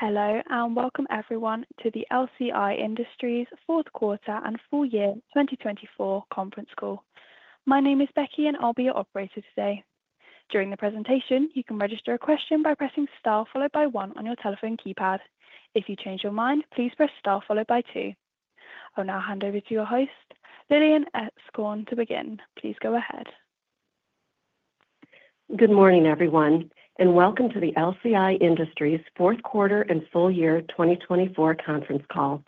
Hello and welcome everyone to The LCI Industries Q4 Conference Call. My name is Becky, and I'll be your operator today. During the presentation, you can register a question by pressing star followed by one on your telephone keypad. If you change your mind, please press star followed by two. I'll now hand over to your host, Lillian Etzkorn, to begin. Please go ahead. Good morning, everyone, and welcome to The LCI Industries Q4 Conference Call.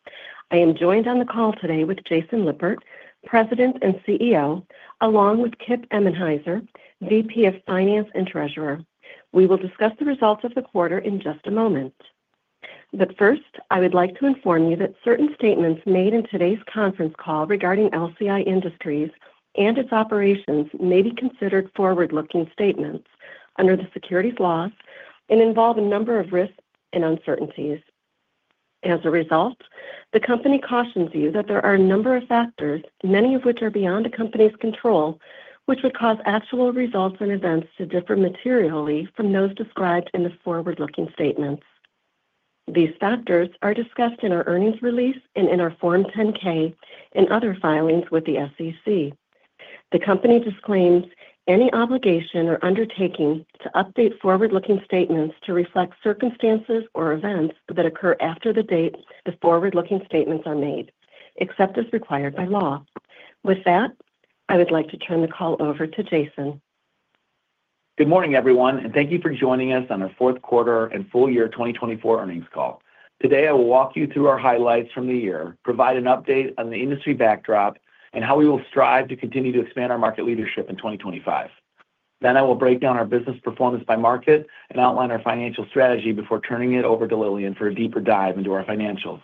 I am joined on the call today with Jason Lippert, President and CEO, along with Kip Emenhiser, VP of Finance and Treasurer. We will discuss the results of the quarter in just a moment. But first, I would like to inform you that certain statements made in today's conference call regarding LCI Industries and its operations may be considered forward-looking statements under the securities laws and involve a number of risks and uncertainties. As a result, the company cautions you that there are a number of factors, many of which are beyond a company's control, which would cause actual results and events to differ materially from those described in the forward-looking statements. These factors are discussed in our earnings release and in our Form 10-K and other filings with the SEC. The company disclaims any obligation or undertaking to update forward-looking statements to reflect circumstances or events that occur after the date the forward-looking statements are made, except as required by law. With that, I would like to turn the call over to Jason. Good morning, everyone, and thank you for joining us on our Q4 and Full-Year 2024 Earnings Call. Today, I will walk you through our highlights from the year, provide an update on the industry backdrop, and how we will strive to continue to expand our market leadership in 2025. Then, I will break down our business performance by market and outline our financial strategy before turning it over to Lillian for a deeper dive into our financials.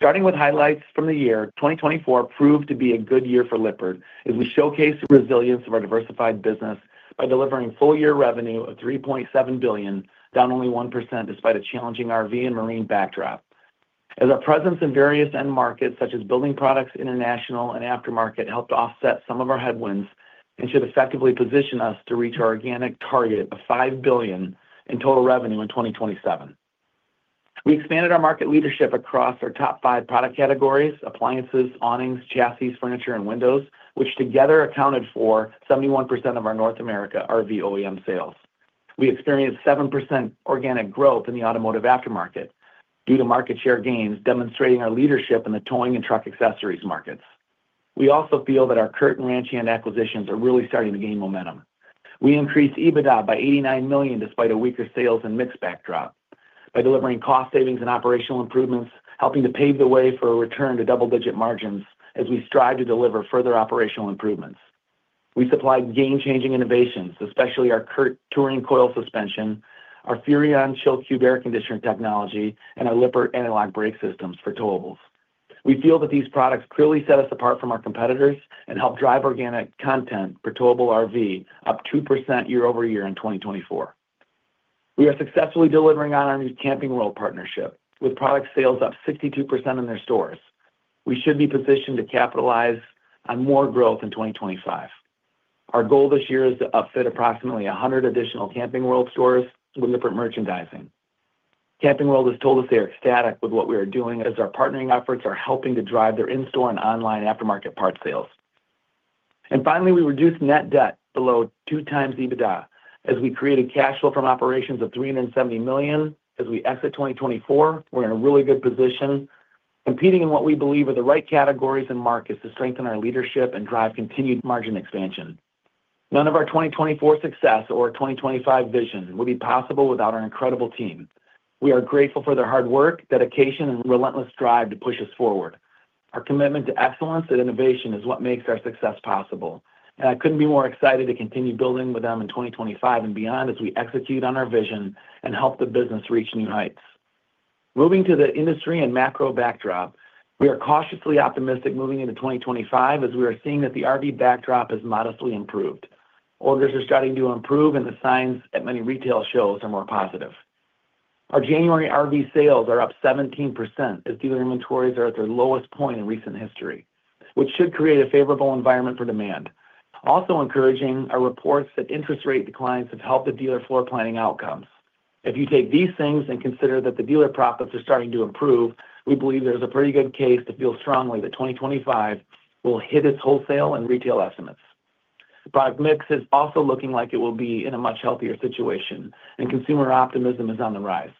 starting with highlights from the year, 2024 proved to be a good year for Lippert as we showcased the resilience of our diversified business by delivering full-year revenue of $3.7 billion, down only 1% despite a challenging RV and marine backdrop. As our presence in various end markets, such as building products international and aftermarket, helped offset some of our headwinds and should effectively position us to reach our organic target of $5 billion in total revenue in 2027. We expanded our market leadership across our top five product categories: appliances, awnings, chassis, furniture, and windows, which together accounted for 71% of our North America RV OEM sales. We experienced 7% organic growth in the automotive aftermarket due to market share gains, demonstrating our leadership in the towing and truck accessories markets. We also feel that our CURT and Ranch Hand acquisitions are really starting to gain momentum. We increased EBITDA by $89 million despite a weaker sales and mix backdrop by delivering cost savings and operational improvements, helping to pave the way for a return to double-digit margins as we strive to deliver further operational improvements. We supplied game-changing innovations, especially our CURT Touring Coil Suspension, our Furrion Chill Cube air conditioner technology, and our Lippert Anti-Lock Braking Systems for towables. We feel that these products clearly set us apart from our competitors and help drive organic content for towable RV up 2% year-over-year in 2024. We are successfully delivering on our new Camping World partnership, with product sales up 62% in their stores. We should be positioned to capitalize on more growth in 2025. Our goal this year is to upfit approximately 100 additional Camping World stores with Lippert merchandising. Camping World has told us they are ecstatic with what we are doing as our partnering efforts are helping to drive their in-store and online aftermarket part sales. Finally, we reduced net debt below two times EBITDA as we created cash flow from operations of $370 million. As we exit 2024, we're in a really good position, competing in what we believe are the right categories and markets to strengthen our leadership and drive continued margin expansion. None of our 2024 success or our 2025 vision would be possible without our incredible team. We are grateful for their hard work, dedication, and relentless drive to push us forward. Our commitment to excellence and innovation is what makes our success possible, and I couldn't be more excited to continue building with them in 2025 and beyond as we execute on our vision and help the business reach new heights. Moving to the industry and macro backdrop, we are cautiously optimistic moving into 2025 as we are seeing that the RV backdrop has modestly improved. Orders are starting to improve, and the signs at many retail shows are more positive. Our January RV sales are up 17% as dealer inventories are at their lowest point in recent history, which should create a favorable environment for demand. Also, encouraging are reports that interest rate declines have helped the dealer floor planning outcomes. If you take these things and consider that the dealer profits are starting to improve, we believe there's a pretty good case to feel strongly that 2025 will hit its wholesale and retail estimates. The product mix is also looking like it will be in a much healthier situation, and consumer optimism is on the rise.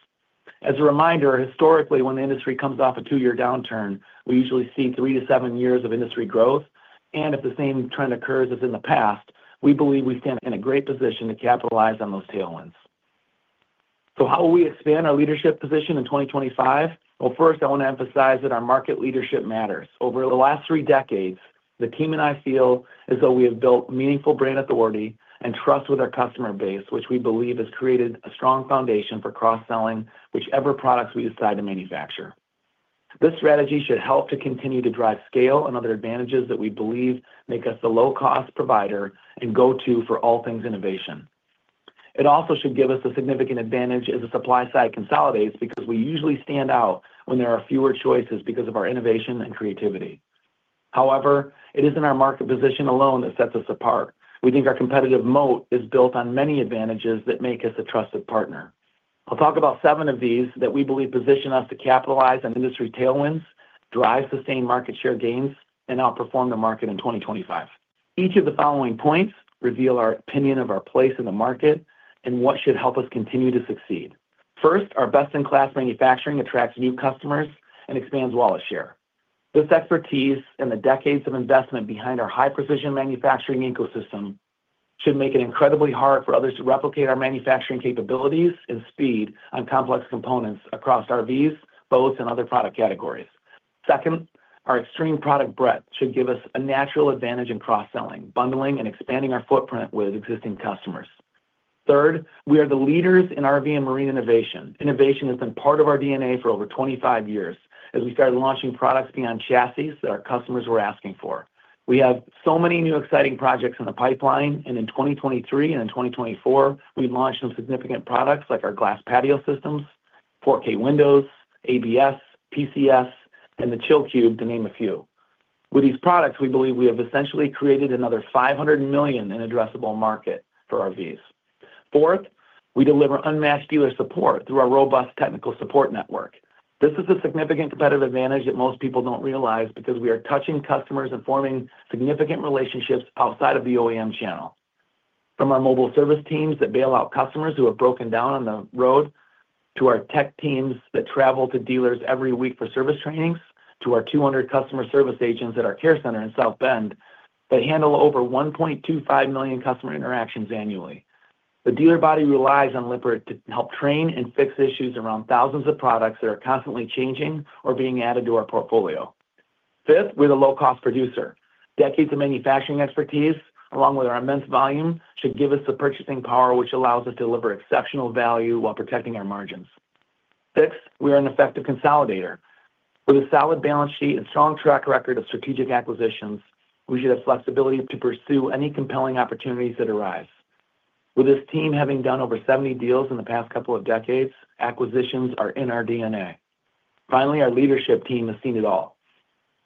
As a reminder, historically, when the industry comes off a two-year downturn, we usually see three to seven years of industry growth, and if the same trend occurs as in the past, we believe we stand in a great position to capitalize on those tailwinds. How will we expand our leadership position in 2025? First, I want to emphasize that our market leadership matters. Over the last three decades, the team and I feel as though we have built meaningful brand authority and trust with our customer base, which we believe has created a strong foundation for cross-selling whichever products we decide to manufacture. This strategy should help to continue to drive scale and other advantages that we believe make us the low-cost provider and go-to for all things innovation. It also should give us a significant advantage as the supply side consolidates because we usually stand out when there are fewer choices because of our innovation and creativity. However, it isn't our market position alone that sets us apart. We think our competitive moat is built on many advantages that make us a trusted partner. I'll talk about seven of these that we believe position us to capitalize on industry tailwinds, drive sustained market share gains, and outperform the market in 2025. Each of the following points reveal our opinion of our place in the market and what should help us continue to succeed. First, our best-in-class manufacturing attracts new customers and expands wallet share. This expertise and the decades of investment behind our high-precision manufacturing ecosystem should make it incredibly hard for others to replicate our manufacturing capabilities and speed on complex components across RVs, boats, and other product categories. Second, our extreme product breadth should give us a natural advantage in cross-selling, bundling, and expanding our footprint with existing customers. Third, we are the leaders in RV and marine innovation. Innovation has been part of our DNA for over 25 years as we started launching products beyond chassis that our customers were asking for. We have so many new exciting projects in the pipeline, and in 2023 and in 2024, we launched some significant products like our glass patio systems, 4K Windows, ABS, TCS, and the Chill Cube, to name a few. With these products, we believe we have essentially created another $500 million in addressable market for RVs. Fourth, we deliver unmatched dealer support through our robust technical support network. This is a significant competitive advantage that most people don't realize because we are touching customers and forming significant relationships outside of the OEM channel. From our mobile service teams that bail out customers who have broken down on the road, to our tech teams that travel to dealers every week for service trainings, to our 200 customer service agents at our care center in South Bend that handle over 1.25 million customer interactions annually. The dealer body relies on Lippert to help train and fix issues around thousands of products that are constantly changing or being added to our portfolio. Fifth, we're the low-cost producer. Decades of manufacturing expertise, along with our immense volume, should give us the purchasing power, which allows us to deliver exceptional value while protecting our margins. Sixth, we are an effective consolidator. With a solid balance sheet and strong track record of strategic acquisitions, we should have flexibility to pursue any compelling opportunities that arise. With this team having done over 70 deals in the past couple of decades, acquisitions are in our DNA. Finally, our leadership team has seen it all.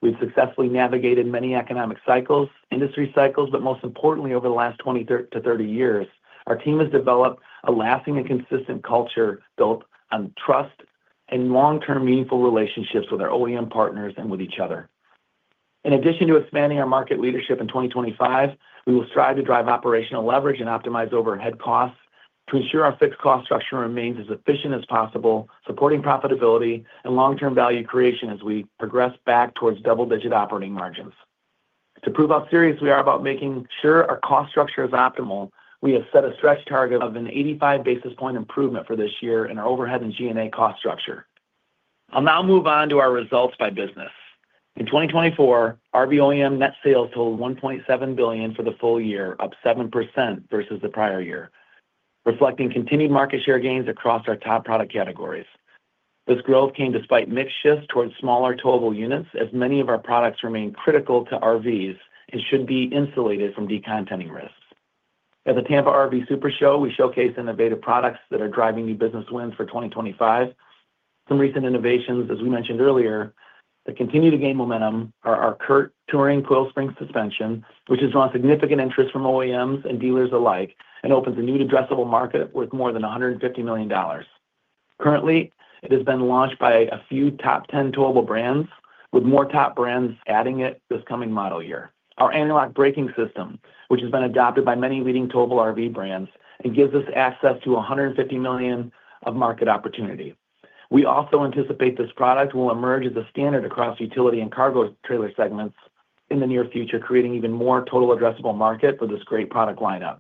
We've successfully navigated many economic cycles, industry cycles, but most importantly, over the last 20-30 years, our team has developed a lasting and consistent culture built on trust and long-term meaningful relationships with our OEM partners and with each other. In addition to expanding our market leadership in 2025, we will strive to drive operational leverage and optimize overhead costs to ensure our fixed cost structure remains as efficient as possible, supporting profitability and long-term value creation as we progress back towards double-digit operating margins. To prove how serious we are about making sure our cost structure is optimal, we have set a stretch target of an 85 basis points improvement for this year in our overhead and G&A cost structure. I'll now move on to our results by business. In 2024, RV OEM net sales totaled $1.7 billion for the full year, up 7% versus the prior year, reflecting continued market share gains across our top product categories. This growth came despite mixed shifts towards smaller towable units, as many of our products remain critical to RVs and should be insulated from decontenting risks. At the Tampa RV SuperShow, we showcased innovative products that are driving new business wins for 2025. Some recent innovations, as we mentioned earlier, that continue to gain momentum are our CURT Touring Coil Suspension, which has drawn significant interest from OEMs and dealers alike and opens a new addressable market worth more than $150 million. Currently, it has been launched by a few top 10 towable brands, with more top brands adding it this coming model year. Our anti-lock braking system, which has been adopted by many leading towable RV brands, gives us access to $150 million of market opportunity. We also anticipate this product will emerge as a standard across utility and cargo trailer segments in the near future, creating even more total addressable market for this great product lineup.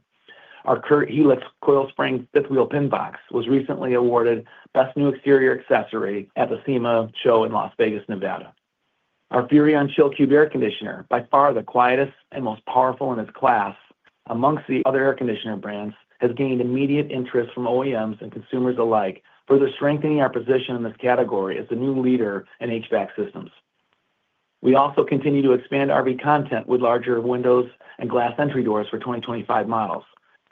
Our CURT Helix coil spring fifth wheel pin box was recently awarded Best New Exterior Accessory at the SEMA Show in Las Vegas, Nevada. Our Furrion Chill Cube air conditioner, by far the quietest and most powerful in its class amongst the other air conditioner brands, has gained immediate interest from OEMs and consumers alike, further strengthening our position in this category as the new leader in HVAC systems. We also continue to expand RV content with larger windows and glass entry doors for 2025 models,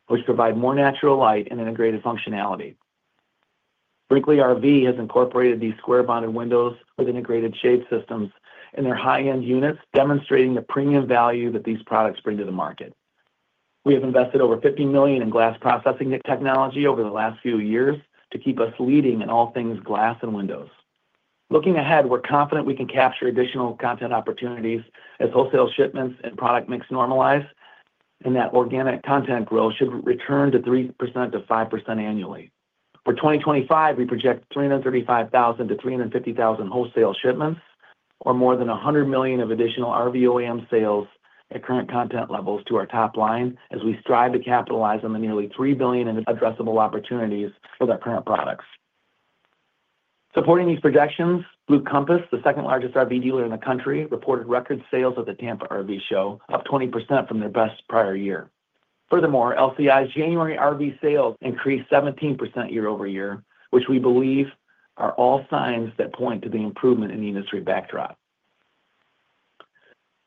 which provide more natural light and integrated functionality. Brinkley RV has incorporated these square-bonded windows with integrated shade systems in their high-end units, demonstrating the premium value that these products bring to the market. We have invested over $50 million in glass processing technology over the last few years to keep us leading in all things glass and windows. Looking ahead, we're confident we can capture additional content opportunities as wholesale shipments and product mix normalize and that organic content growth should return to 3%-5% annually. For 2025, we project 335,000-350,000 wholesale shipments or more than $100 million of additional RV OEM sales at current content levels to our top line as we strive to capitalize on the nearly $3 billion in addressable opportunities with our current products. Supporting these projections, Blue Compass, the second largest RV dealer in the country, reported record sales at the Tampa RV Show, up 20% from their best prior year. Furthermore, LCI's January RV sales increased 17% year-over-year, which we believe are all signs that point to the improvement in the industry backdrop.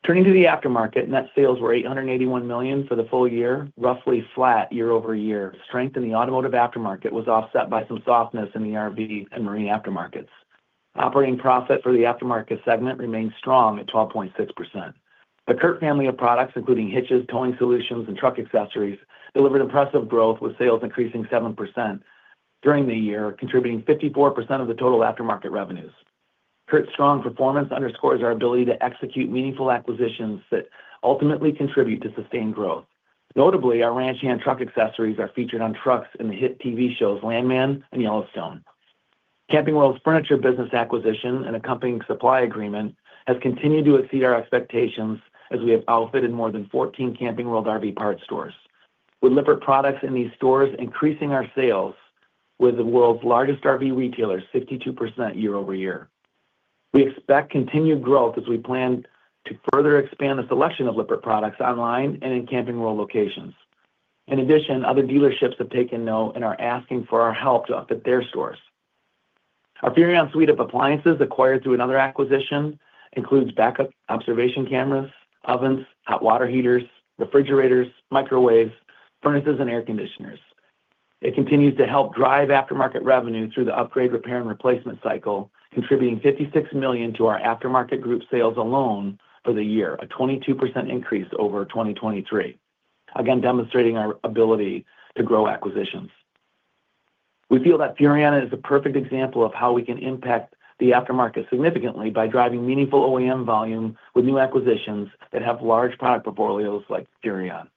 Turning to the aftermarket, net sales were $881 million for the full year, roughly flat year-over-year. Strength in the automotive aftermarket was offset by some softness in the RV and marine aftermarkets. Operating profit for the aftermarket segment remained strong at 12.6%. The CURT family of products, including hitches, towing solutions, and truck accessories, delivered impressive growth with sales increasing 7% during the year, contributing 54% of the total aftermarket revenues. CURT's strong performance underscores our ability to execute meaningful acquisitions that ultimately contribute to sustained growth. Notably, our Ranch Hand truck accessories are featured on trucks in the hit TV shows Landman and Yellowstone. Camping World's furniture business acquisition and accompanying supply agreement has continued to exceed our expectations as we have outfitted more than 14 Camping World RV parts stores, with Lippert products in these stores increasing our sales with the world's largest RV retailers, 62% year-over-year. We expect continued growth as we plan to further expand the selection of Lippert products online and in Camping World locations. In addition, other dealerships have taken note and are asking for our help to upfit their stores. Our Furrion suite of appliances, acquired through another acquisition, includes backup observation cameras, ovens, hot water heaters, refrigerators, microwaves, furnaces, and air conditioners. It continues to help drive aftermarket revenue through the upgrade, repair, and replacement cycle, contributing $56 million to our aftermarket group sales alone for the year, a 22% increase over 2023, again demonstrating our ability to grow acquisitions. We feel that Furrion is a perfect example of how we can impact the aftermarket significantly by driving meaningful OEM volume with new acquisitions that have large product portfolios like Furrion.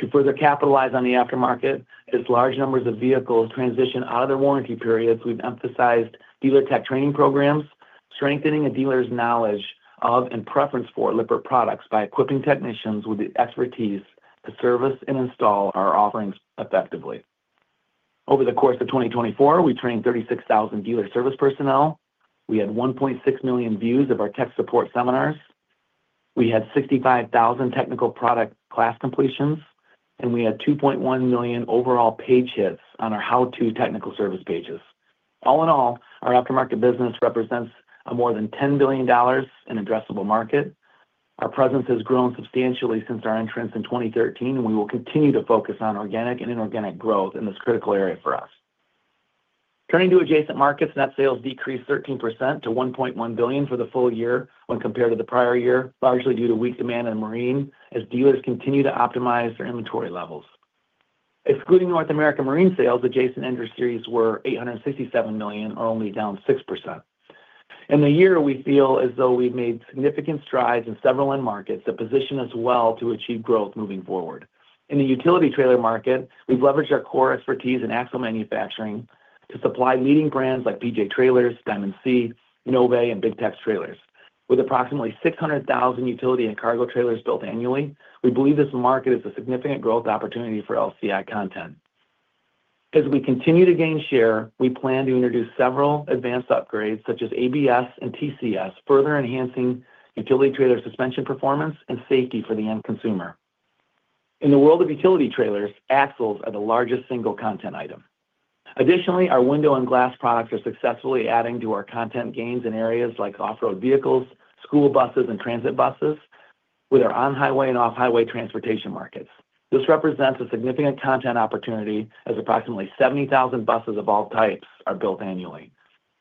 To further capitalize on the aftermarket, as large numbers of vehicles transition out of their warranty periods, we've emphasized dealer tech training programs, strengthening a dealer's knowledge of and preference for Lippert products by equipping technicians with the expertise to service and install our offerings effectively. Over the course of 2024, we trained 36,000 dealer service personnel. We had 1.6 million views of our tech support seminars. We had 65,000 technical product class completions, and we had 2.1 million overall page hits on our how-to technical service pages. All in all, our aftermarket business represents a more than $10 billion in addressable market. Our presence has grown substantially since our entrance in 2013, and we will continue to focus on organic and inorganic growth in this critical area for us. Turning to adjacent markets, net sales decreased 13%-$1.1 billion for the full year when compared to the prior year, largely due to weak demand in marine as dealers continue to optimize their inventory levels. Excluding North America marine sales, adjacent industries were $867 million, or only down 6%. In the year, we feel as though we've made significant strides in several end markets that position us well to achieve growth moving forward. In the utility trailer market, we've leveraged our core expertise in axle manufacturing to supply leading brands like PJ Trailers, Diamond C, Novae, and Big Tex Trailers. With approximately 600,000 utility and cargo trailers built annually, we believe this market is a significant growth opportunity for LCI content. As we continue to gain share, we plan to introduce several advanced upgrades such as ABS and TCS, further enhancing utility trailer suspension performance and safety for the end consumer. In the world of utility trailers, axles are the largest single content item. Additionally, our window and glass products are successfully adding to our content gains in areas like off-road vehicles, school buses, and transit buses, with our on-highway and off-highway transportation markets. This represents a significant content opportunity as approximately 70,000 buses of all types are built annually.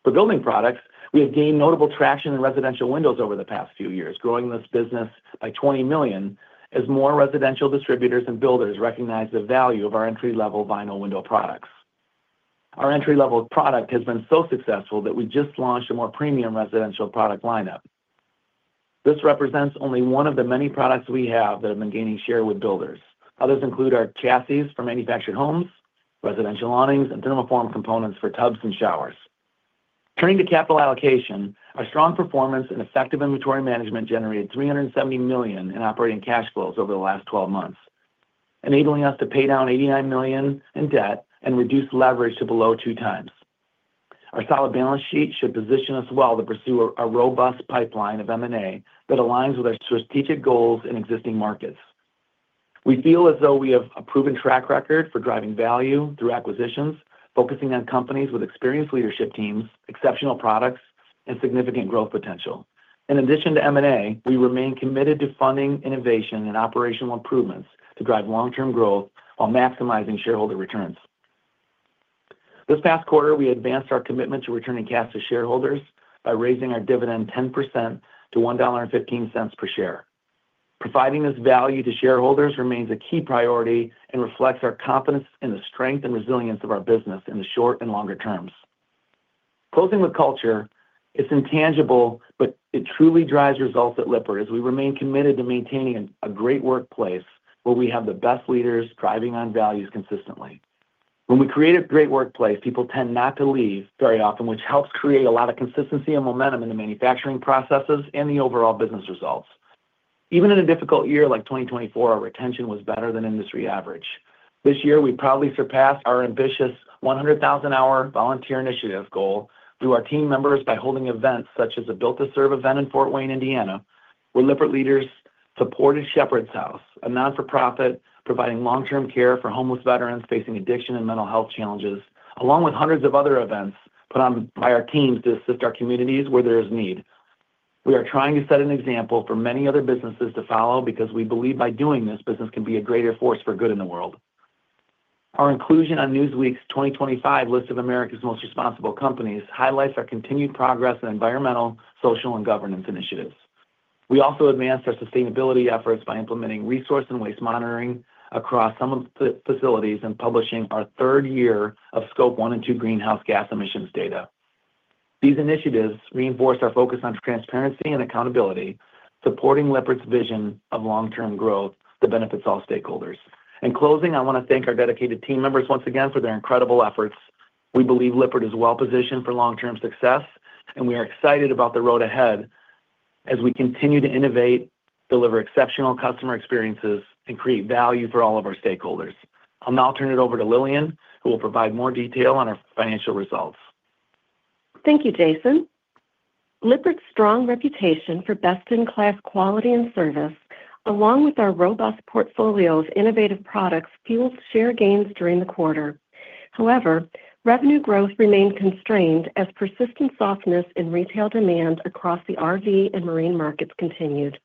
For building products, we have gained notable traction in residential windows over the past few years, growing this business by $20 million as more residential distributors and builders recognize the value of our entry-level vinyl window products. Our entry-level product has been so successful that we just launched a more premium residential product lineup. This represents only one of the many products we have that have been gaining share with builders. Others include our chassis for manufactured homes, residential awnings, and thermoform components for tubs and showers. Turning to capital allocation, our strong performance and effective inventory management generated $370 million in operating cash flows over the last 12 months, enabling us to pay down $89 million in debt and reduce leverage to below two times. Our solid balance sheet should position us well to pursue a robust pipeline of M&A that aligns with our strategic goals in existing markets. We feel as though we have a proven track record for driving value through acquisitions, focusing on companies with experienced leadership teams, exceptional products, and significant growth potential. In addition to M&A, we remain committed to funding innovation and operational improvements to drive long-term growth while maximizing shareholder returns. This past quarter, we advanced our commitment to returning cash to shareholders by raising our dividend 10% to $1.15 per share. Providing this value to shareholders remains a key priority and reflects our confidence in the strength and resilience of our business in the short and longer terms. Closing with culture, it's intangible, but it truly drives results at Lippert as we remain committed to maintaining a great workplace where we have the best leaders driving on values consistently. When we create a great workplace, people tend not to leave very often, which helps create a lot of consistency and momentum in the manufacturing processes and the overall business results. Even in a difficult year like 2024, our retention was better than industry average. This year, we proudly surpassed our ambitious 100,000-hour volunteer initiative goal through our team members by holding events such as a Built to Serve event in Fort Wayne, Indiana, where Lippert leaders supported Shepherd's House, a nonprofit providing long-term care for homeless veterans facing addiction and mental health challenges, along with hundreds of other events put on by our teams to assist our communities where there is need. We are trying to set an example for many other businesses to follow because we believe by doing this, business can be a greater force for good in the world. Our inclusion on Newsweek's 2025 list of America's most responsible companies highlights our continued progress in environmental, social, and governance initiatives. We also advanced our sustainability efforts by implementing resource and waste monitoring across some of the facilities and publishing our third year of Scope 1 and 2 greenhouse gas emissions data. These initiatives reinforce our focus on transparency and accountability, supporting Lippert's vision of long-term growth that benefits all stakeholders. In closing, I want to thank our dedicated team members once again for their incredible efforts. We believe Lippert is well-positioned for long-term success, and we are excited about the road ahead as we continue to innovate, deliver exceptional customer experiences, and create value for all of our stakeholders. I'll now turn it over to Lillian, who will provide more detail on our financial results. Thank you, Jason. Lippert's strong reputation for best-in-class quality and service, along with our robust portfolio of innovative products, fueled share gains during the quarter. However, revenue growth remained constrained as persistent softness in retail demand across the RV and marine markets continued.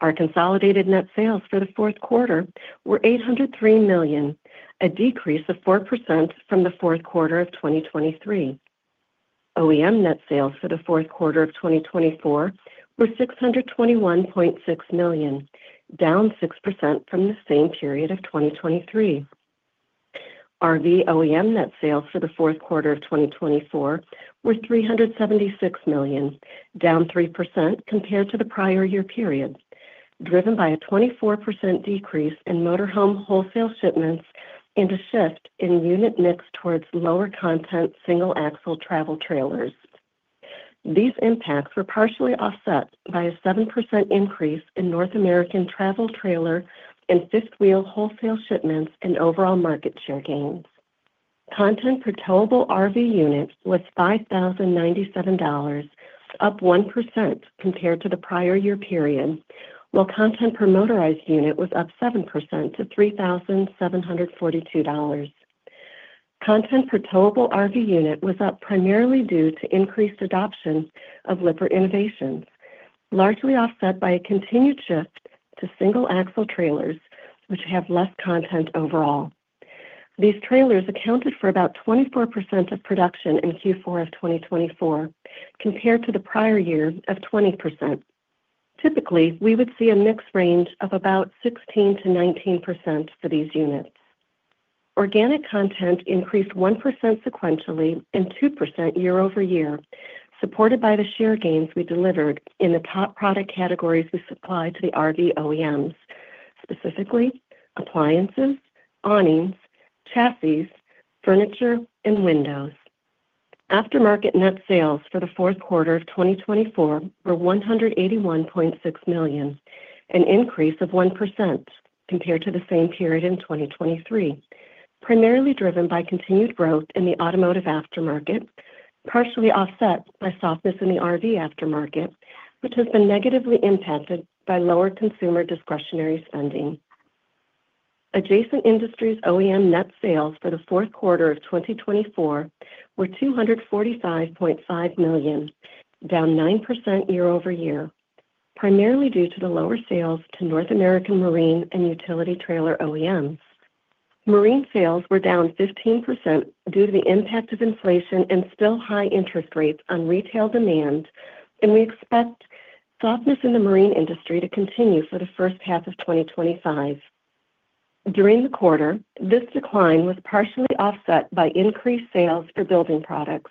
Our consolidated net sales for the Q4 were $803 million, a decrease of 4% from the Q4 of 2023. OEM net sales for the Q4 of 2024 were $621.6 million, down 6% from the same period of 2023. RV OEM net sales for the Q4 of 2024 were $376 million, down 3% compared to the prior year period, driven by a 24% decrease in motorhome wholesale shipments and a shift in unit mix towards lower content single axle travel trailers. These impacts were partially offset by a 7% increase in North American travel trailer and fifth wheel wholesale shipments and overall market share gains. Content per towable RV unit was $5,097, up 1% compared to the prior year period, while content per motorized unit was up 7% to $3,742. Content per towable RV unit was up primarily due to increased adoption of Lippert innovations, largely offset by a continued shift to single axle trailers, which have less content overall. These trailers accounted for about 24% of production in Q4 of 2024 compared to the prior year of 20%. Typically, we would see a mixed range of about 16%-19% for these units. Organic content increased 1% sequentially and 2% year-over-year, supported by the share gains we delivered in the top product categories we supplied to the RV OEMs, specifically appliances, awnings, chassis, furniture, and windows. Aftermarket net sales for the Q4 of 2024 were $181.6 million, an increase of 1% compared to the same period in 2023, primarily driven by continued growth in the automotive aftermarket, partially offset by softness in the RV aftermarket, which has been negatively impacted by lower consumer discretionary spending. Adjacent Industries OEM net sales for the Q4 of 2024 were $245.5 million, down 9% year-over-year, primarily due to the lower sales to North American marine and utility trailer OEMs. Marine sales were down 15% due to the impact of inflation and still high interest rates on retail demand, and we expect softness in the marine industry to continue for the first half of 2025. During the quarter, this decline was partially offset by increased sales for building products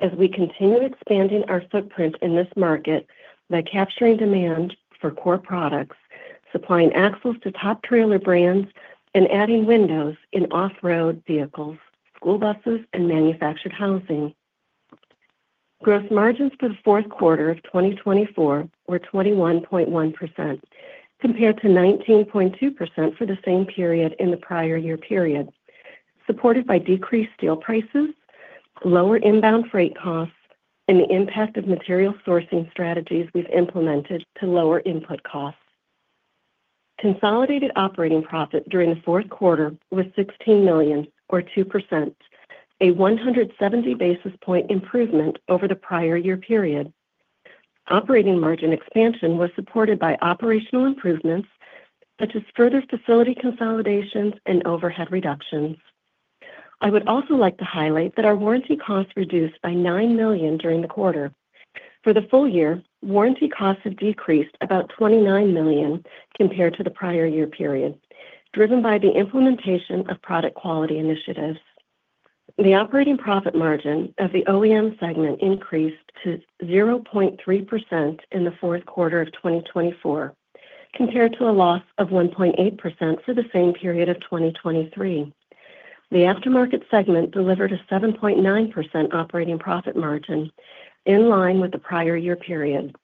as we continue expanding our footprint in this market by capturing demand for core products, supplying axles to top trailer brands, and adding windows in off-road vehicles, school buses, and manufactured housing. Gross margins for the Q4 of 2024 were 21.1% compared to 19.2% for the same period in the prior year period, supported by decreased steel prices, lower inbound freight costs, and the impact of material sourcing strategies we've implemented to lower input costs. Consolidated operating profit during the Q4 was $16 million, or 2%, a 170 basis point improvement over the prior year period. Operating margin expansion was supported by operational improvements such as further facility consolidations and overhead reductions. I would also like to highlight that our warranty costs reduced by $9 million during the quarter. For the full year, warranty costs have decreased about $29 million compared to the prior year period, driven by the implementation of product quality initiatives. The operating profit margin of the OEM segment increased to 0.3% in the Q4 of 2024, compared to a loss of 1.8% for the same period of 2023. The aftermarket segment delivered a 7.9% operating profit margin, in line with the prior year period.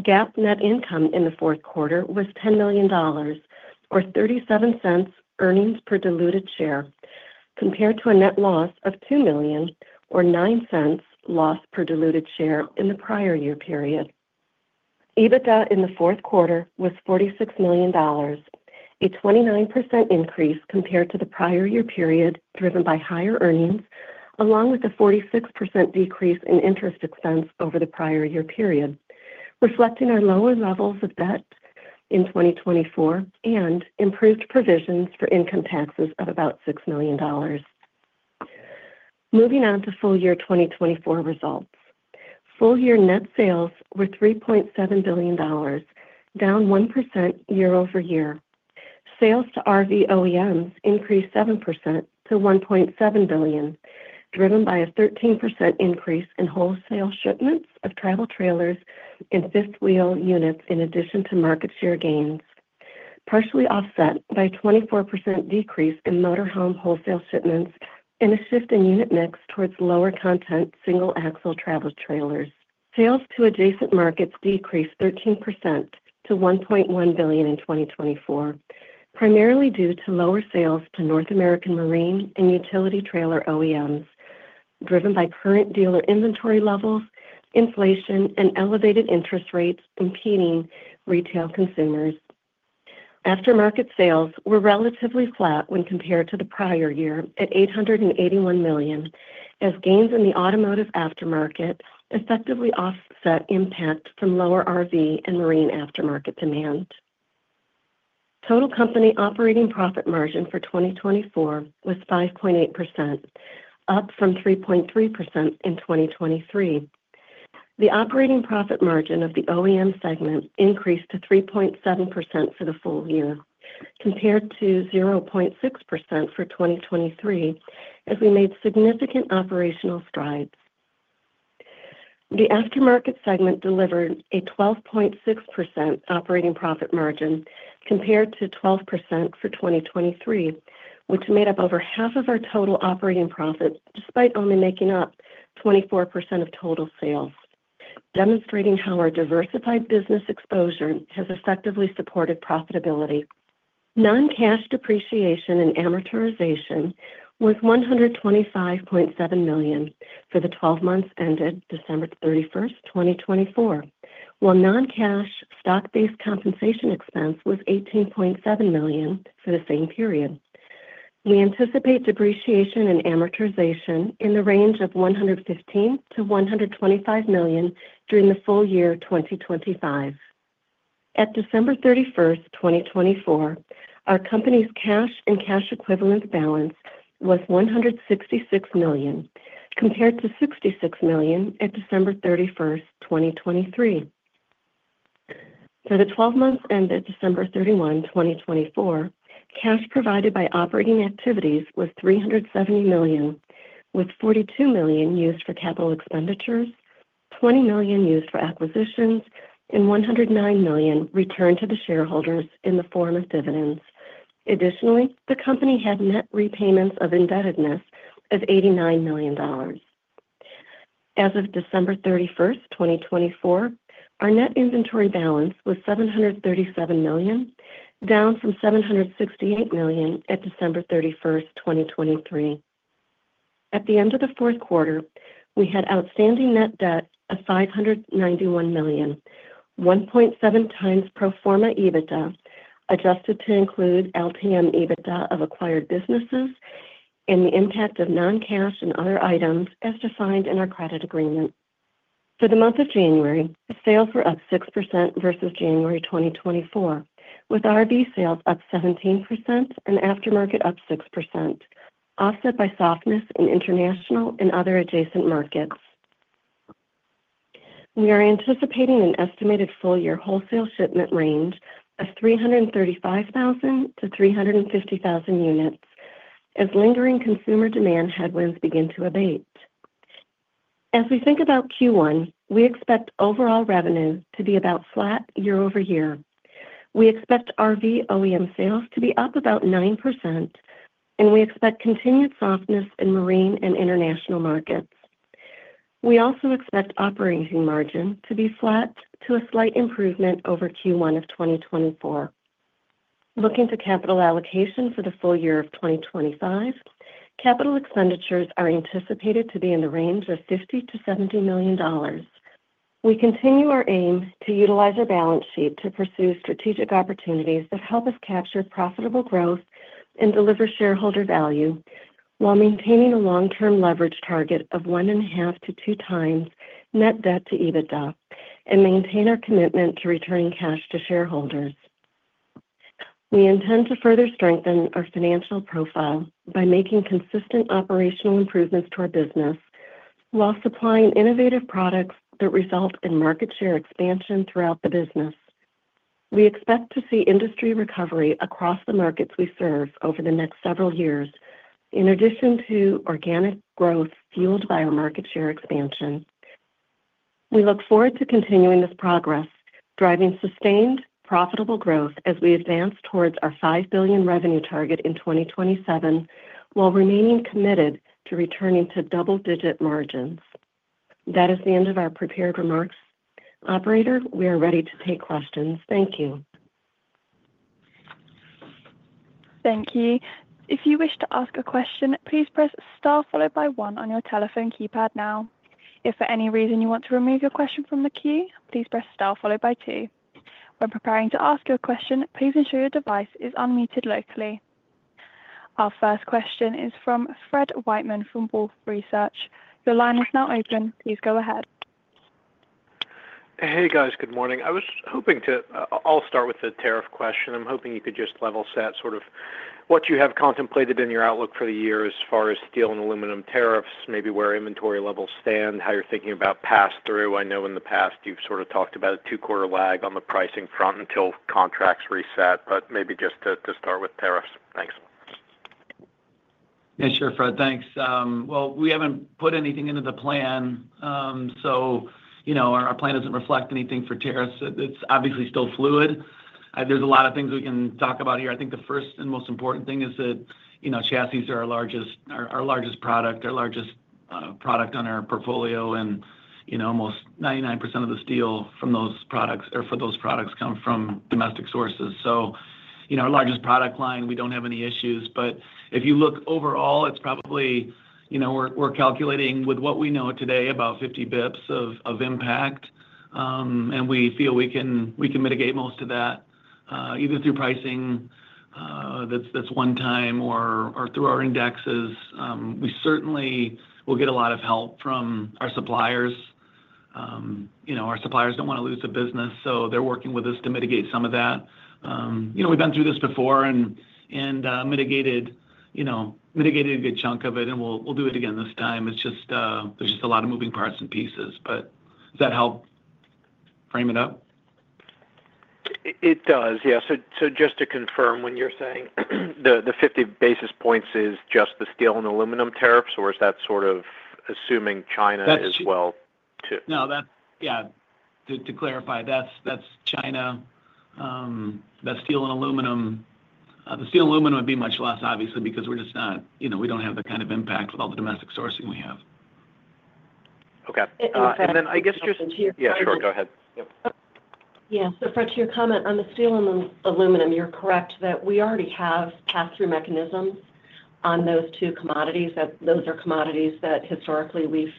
GAAP net income in the Q4 was $10 million, or $0.37 earnings per diluted share, compared to a net loss of $2 million, or $0.09 loss per diluted share in the prior year period. EBITDA in the Q4 was $46 million, a 29% increase compared to the prior year period, driven by higher earnings, along with a 46% decrease in interest expense over the prior year period, reflecting our lower levels of debt in 2024 and improved provisions for income taxes of about $6 million. Moving on to full year 2024 results. Full year net sales were $3.7 billion, down 1% year-over-year. Sales to RV OEMs increased 7% to $1.7 billion, driven by a 13% increase in wholesale shipments of travel trailers and fifth wheel units in addition to market share gains, partially offset by a 24% decrease in motorhome wholesale shipments and a shift in unit mix towards lower content single axle travel trailers. Sales to adjacent markets decreased 13%-$1.1 billion in 2024, primarily due to lower sales to North American marine and utility trailer OEMs, driven by current dealer inventory levels, inflation, and elevated interest rates competing retail consumers. Aftermarket sales were relatively flat when compared to the prior year at $881 million, as gains in the automotive aftermarket effectively offset impact from lower RV and marine aftermarket demand. Total company operating profit margin for 2024 was 5.8%, up from 3.3% in 2023. The operating profit margin of the OEM segment increased to 3.7% for the full year, compared to 0.6% for 2023, as we made significant operational strides. The aftermarket segment delivered a 12.6% operating profit margin compared to 12% for 2023, which made up over half of our total operating profit despite only making up 24% of total sales, demonstrating how our diversified business exposure has effectively supported profitability. Non-cash depreciation and amortization was $125.7 million for the 12 months ended December 31, 2024, while non-cash stock-based compensation expense was $18.7 million for the same period. We anticipate depreciation and amortization in the range of $115-$125 million during the full year 2025. At December 31, 2024, our company's cash and cash equivalent balance was $166 million, compared to $66 million at December 31, 2023. For the 12 months ended December 31, 2024, cash provided by operating activities was $370 million, with $42 million used for capital expenditures, $20 million used for acquisitions, and $109 million returned to the shareholders in the form of dividends. Additionally, the company had net repayments of indebtedness of $89 million. As of December 31, 2024, our net inventory balance was $737 million, down from $768 million at December 31, 2023. At the end of the Q4, we had outstanding net debt of $591 million, 1.7 times pro forma EBITDA, adjusted to include LTM EBITDA of acquired businesses and the impact of non-cash and other items as defined in our credit agreement. For the month of January, sales were up 6% versus January 2024, with RV sales up 17% and aftermarket up 6%, offset by softness in international and other adjacent markets. We are anticipating an estimated full year wholesale shipment range of 335,000-350,000 units as lingering consumer demand headwinds begin to abate. As we think about Q1, we expect overall revenue to be about flat year-over-year. We expect RV OEM sales to be up about 9%, and we expect continued softness in marine and international markets. We also expect operating margin to be flat to a slight improvement over Q1 of 2024. Looking to capital allocation for the full year of 2025, capital expenditures are anticipated to be in the range of $50-$70 million. We continue our aim to utilize our balance sheet to pursue strategic opportunities that help us capture profitable growth and deliver shareholder value while maintaining a long-term leverage target of one and a half to two times net debt to EBITDA and maintain our commitment to returning cash to shareholders. We intend to further strengthen our financial profile by making consistent operational improvements to our business while supplying innovative products that result in market share expansion throughout the business. We expect to see industry recovery across the markets we serve over the next several years, in addition to organic growth fueled by our market share expansion. We look forward to continuing this progress, driving sustained profitable growth as we advance towards our $5 billion revenue target in 2027 while remaining committed to returning to double-digit margins. That is the end of our prepared remarks. Operator, we are ready to take questions. Thank you. Thank you. If you wish to ask a question, please press star followed by one on your telephone keypad now. If for any reason you want to remove your question from the queue, please press star followed by two. When preparing to ask your question, please ensure your device is unmuted locally. Our first question is from Fred Wightman from Wolfe Research. Your line is now open. Please go ahead. Hey, guys. Good morning. I was hoping to. I'll start with the tariff question. I'm hoping you could just level set sort of what you have contemplated in your outlook for the year as far as steel and aluminum tariffs, maybe where inventory levels stand, how you're thinking about pass-through. I know in the past you've sort of talked about a two-quarter lag on the pricing front until contracts reset, but maybe just to start with tariffs. Thanks. Yeah, sure, Fred. Thanks. Well, we haven't put anything into the plan, so our plan doesn't reflect anything for tariffs. It's obviously still fluid. There's a lot of things we can talk about here. I think the first and most important thing is that chassis are our largest product, our largest product on our portfolio, and almost 99% of the steel from those products or for those products come from domestic sources. So our largest product line, we don't have any issues. But if you look overall, it's probably we're calculating with what we know today about 50 basis points of impact, and we feel we can mitigate most of that either through pricing that's one-time or through our indexes. We certainly will get a lot of help from our suppliers. Our suppliers don't want to lose the business, so they're working with us to mitigate some of that. We've been through this before and mitigated a good chunk of it, and we'll do it again this time. There's just a lot of moving parts and pieces. But does that help frame it up? It does, yeah. So just to confirm, when you're saying the 50 basis points is just the steel and aluminum tariffs, or is that sort of assuming China as well too? No, yeah. To clarify, that's China, that's steel and aluminum. The steel and aluminum would be much less, obviously, because we're just not; we don't have the kind of impact with all the domestic sourcing we have. Okay. And then I guess just yeah, sure. Go ahead. Yeah. So Fred, to your comment on the steel and aluminum, you're correct that we already have pass-through mechanisms on those two commodities. Those are commodities that historically we've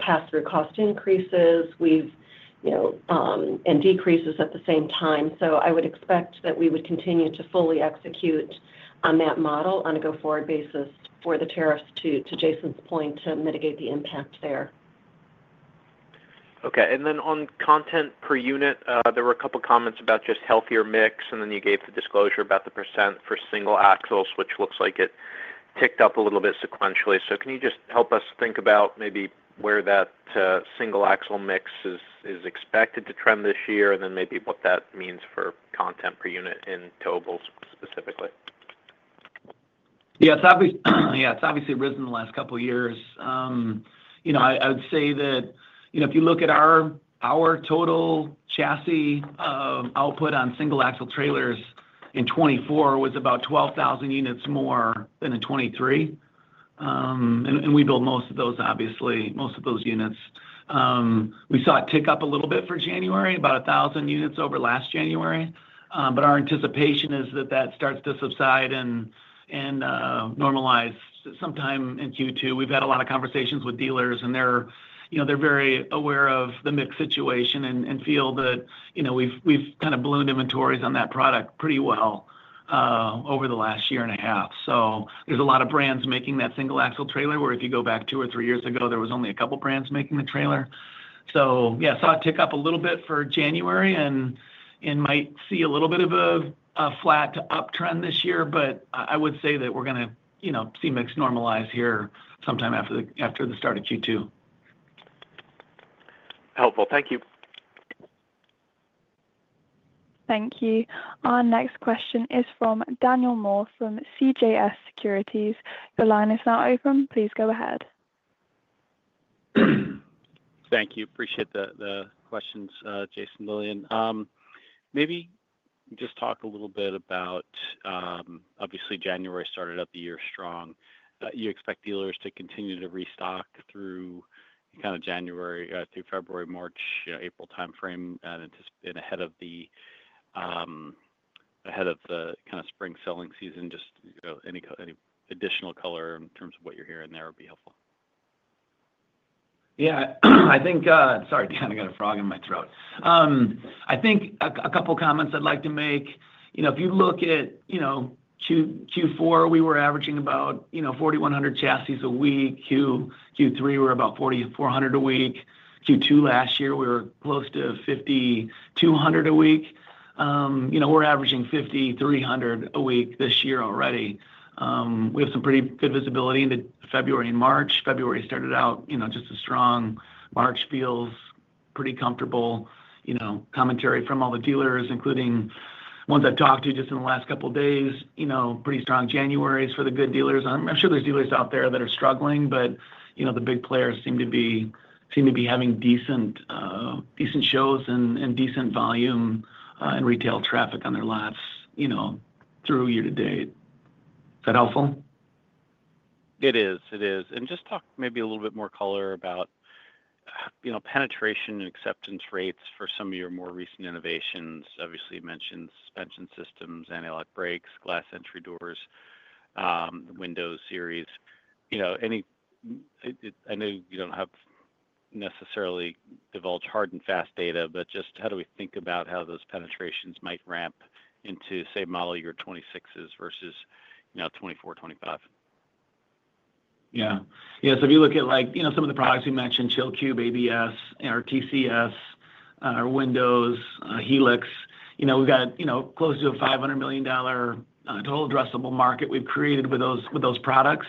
passed through cost increases and decreases at the same time. So I would expect that we would continue to fully execute on that model on a go-forward basis for the tariffs, to Jason's point, to mitigate the impact there. Okay. And then on content per unit, there were a couple of comments about just healthier mix, and then you gave the disclosure about the % for single axles, which looks like it ticked up a little bit sequentially. So can you just help us think about maybe where that single axle mix is expected to trend this year and then maybe what that means for content per unit in totals specifically? Yeah, it's obviously risen the last couple of years. I would say that if you look at our total chassis output on single axle trailers in 2024 was about 12,000 units more than in 2023. And we build most of those, obviously, most of those units. We saw it tick up a little bit for January, about 1,000 units over last January. But our anticipation is that that starts to subside and normalize sometime in Q2. We've had a lot of conversations with dealers, and they're very aware of the mixed situation and feel that we've kind of ballooned inventories on that product pretty well over the last year and a half. So, there's a lot of brands making that single-axle trailer where if you go back two or three years ago, there was only a couple of brands making the trailer. So yeah, saw it tick up a little bit for January and might see a little bit of a flat uptrend this year, but I would say that we're going to see mix normalize here sometime after the start of Q2. Helpful. Thank you. Thank you. Our next question is from Daniel Moore from CJS Securities. Your line is now open. Please go ahead. Thank you. Appreciate the questions, Jason, Lillian. Maybe just talk a little bit about, obviously, January started out the year strong. You expect dealers to continue to restock through kind of January, through February, March, April timeframe and ahead of the kind of spring selling season. Just any additional color in terms of what you're hearing there would be helpful. Yeah. Sorry, kind of got a frog in my throat. I think a couple of comments I'd like to make. If you look at Q4, we were averaging about 4,100 chassis a week. Q3, we were about 4,400 a week. Q2 last year, we were close to 5,200 a week. We're averaging 5,300 a week this year already. We have some pretty good visibility into February and March. February started out just as strong. March feels pretty comfortable. Commentary from all the dealers, including ones I've talked to just in the last couple of days, pretty strong Januaries for the good dealers. I'm sure there's dealers out there that are struggling, but the big players seem to be having decent shows and decent volume and retail traffic on their lots through year to date. Is that helpful? It is. It is. And just talk maybe a little bit more color about penetration and acceptance rates for some of your more recent innovations. Obviously, you mentioned suspension systems, anti-lock brakes, glass entry doors, the windows series. I know you don't necessarily divulge hard and fast data, but just how do we think about how those penetrations might ramp into, say, model year 2026s versus 2024, 2025? Yeah. Yeah. So if you look at some of the products you mentioned, Chill Cube, ABS, our TCS, our Windows, Helix, we've got close to a $500 million total addressable market we've created with those products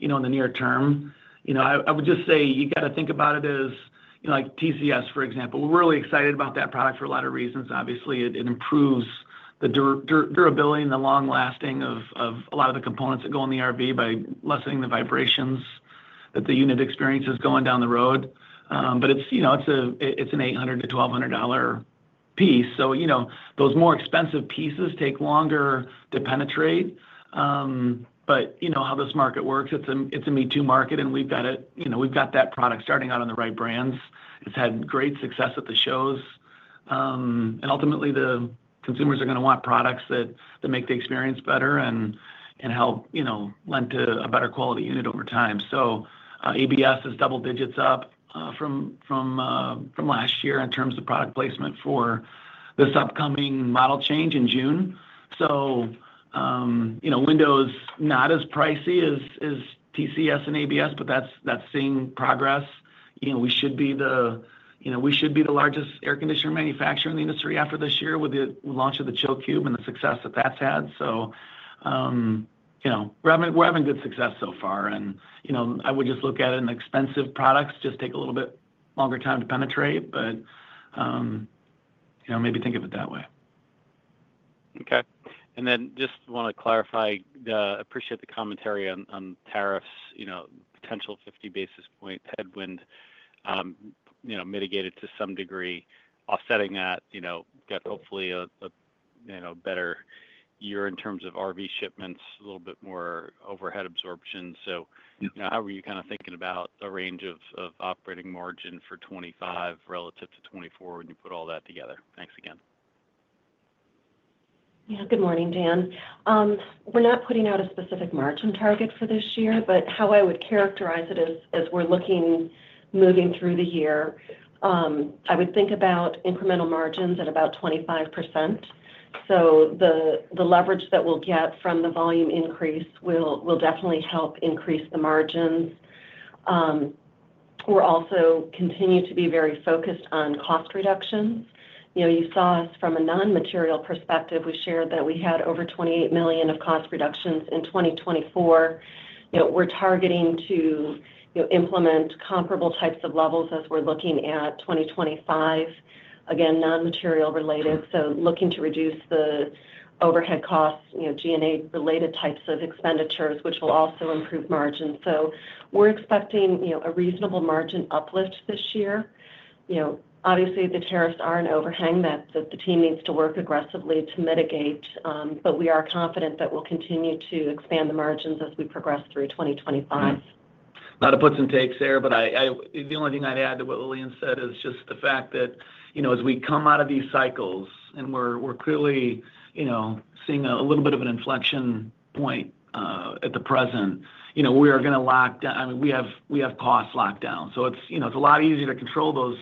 in the near term. I would just say you got to think about it as TCS, for example. We're really excited about that product for a lot of reasons. Obviously, it improves the durability and the long lasting of a lot of the components that go in the RV by lessening the vibrations that the unit experiences going down the road. But it's an $800-$1,200 piece. So those more expensive pieces take longer to penetrate. But how this market works, it's a me-too market, and we've got that product starting out on the right brands. It's had great success at the shows. And ultimately, the consumers are going to want products that make the experience better and help lend to a better quality unit over time. So ABS is double digits up from last year in terms of product placement for this upcoming model change in June. So Windows is not as pricey as TCS and ABS, but that's seeing progress. We should be the largest air conditioner manufacturer in the industry after this year with the launch of the Chill Cube and the success that that's had. So we're having good success so far. And I would just look at it with expensive products just take a little bit longer time to penetrate, but maybe think of it that way. Okay. And then just want to clarify, appreciate the commentary on tariffs, potential 50 basis point headwind mitigated to some degree. Offsetting that, got hopefully a better year in terms of RV shipments, a little bit more overhead absorption. So how are you kind of thinking about the range of operating margin for 2025 relative to 2024 when you put all that together? Thanks again. Yeah. Good morning, Dan. We're not putting out a specific margin target for this year, but how I would characterize it as we're looking moving through the year, I would think about incremental margins at about 25%. So the leverage that we'll get from the volume increase will definitely help increase the margins. We're also continuing to be very focused on cost reductions. You saw us from a non-material perspective. We shared that we had over $28 million of cost reductions in 2024. We're targeting to implement comparable types of levels as we're looking at 2025, again, non-material related. So looking to reduce the overhead costs, G&A-related types of expenditures, which will also improve margins. So we're expecting a reasonable margin uplift this year. Obviously, the tariffs are an overhang that the team needs to work aggressively to mitigate, but we are confident that we'll continue to expand the margins as we progress through 2025. A lot of puts and takes there, but the only thing I'd add to what Lillian said is just the fact that as we come out of these cycles and we're clearly seeing a little bit of an inflection point at the present, we are going to lock down. I mean, we have cost lockdown. So it's a lot easier to control those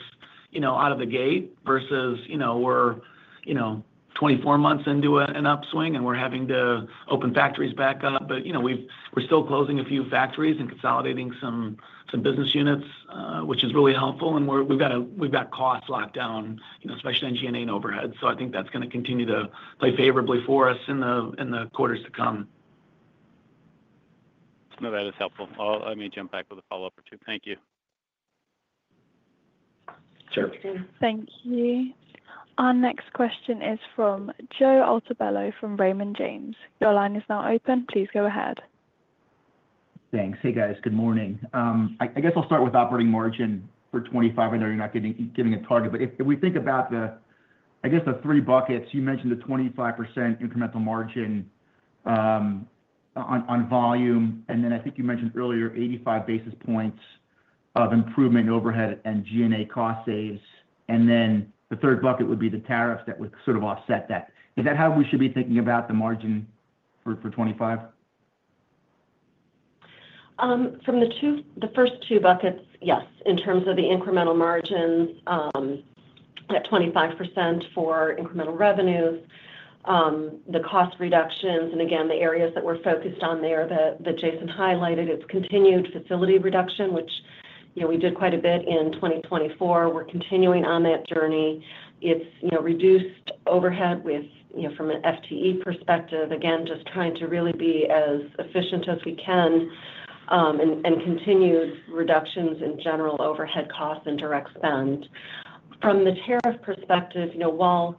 out of the gate versus we're 24 months into an upswing and we're having to open factories back up. But we're still closing a few factories and consolidating some business units, which is really helpful. And we've got cost lockdown, especially in G&A and overhead. So I think that's going to continue to play favorably for us in the quarters to come. No, that is helpful. I may jump back with a follow-up or two. Thank you. Sure. Thank you. Our next question is from Joe Altobello from Raymond James. Your line is now open. Please go ahead. Thanks. Hey, guys. Good morning. I guess I'll start with operating margin for 2025. I know you're not giving a target, but if we think about the, I guess, the three buckets, you mentioned the 25% incremental margin on volume, and then I think you mentioned earlier 85 basis points of improvement overhead and G&A cost saves. And then the third bucket would be the tariffs that would sort of offset that. Is that how we should be thinking about the margin for 2025? From the first two buckets, yes. In terms of the incremental margins, that 25% for incremental revenues, the cost reductions, and again, the areas that we're focused on there that Jason highlighted, it's continued facility reduction, which we did quite a bit in 2024. We're continuing on that journey. It's reduced overhead from an FTE perspective, again, just trying to really be as efficient as we can and continued reductions in general overhead costs and direct spend. From the tariff perspective, while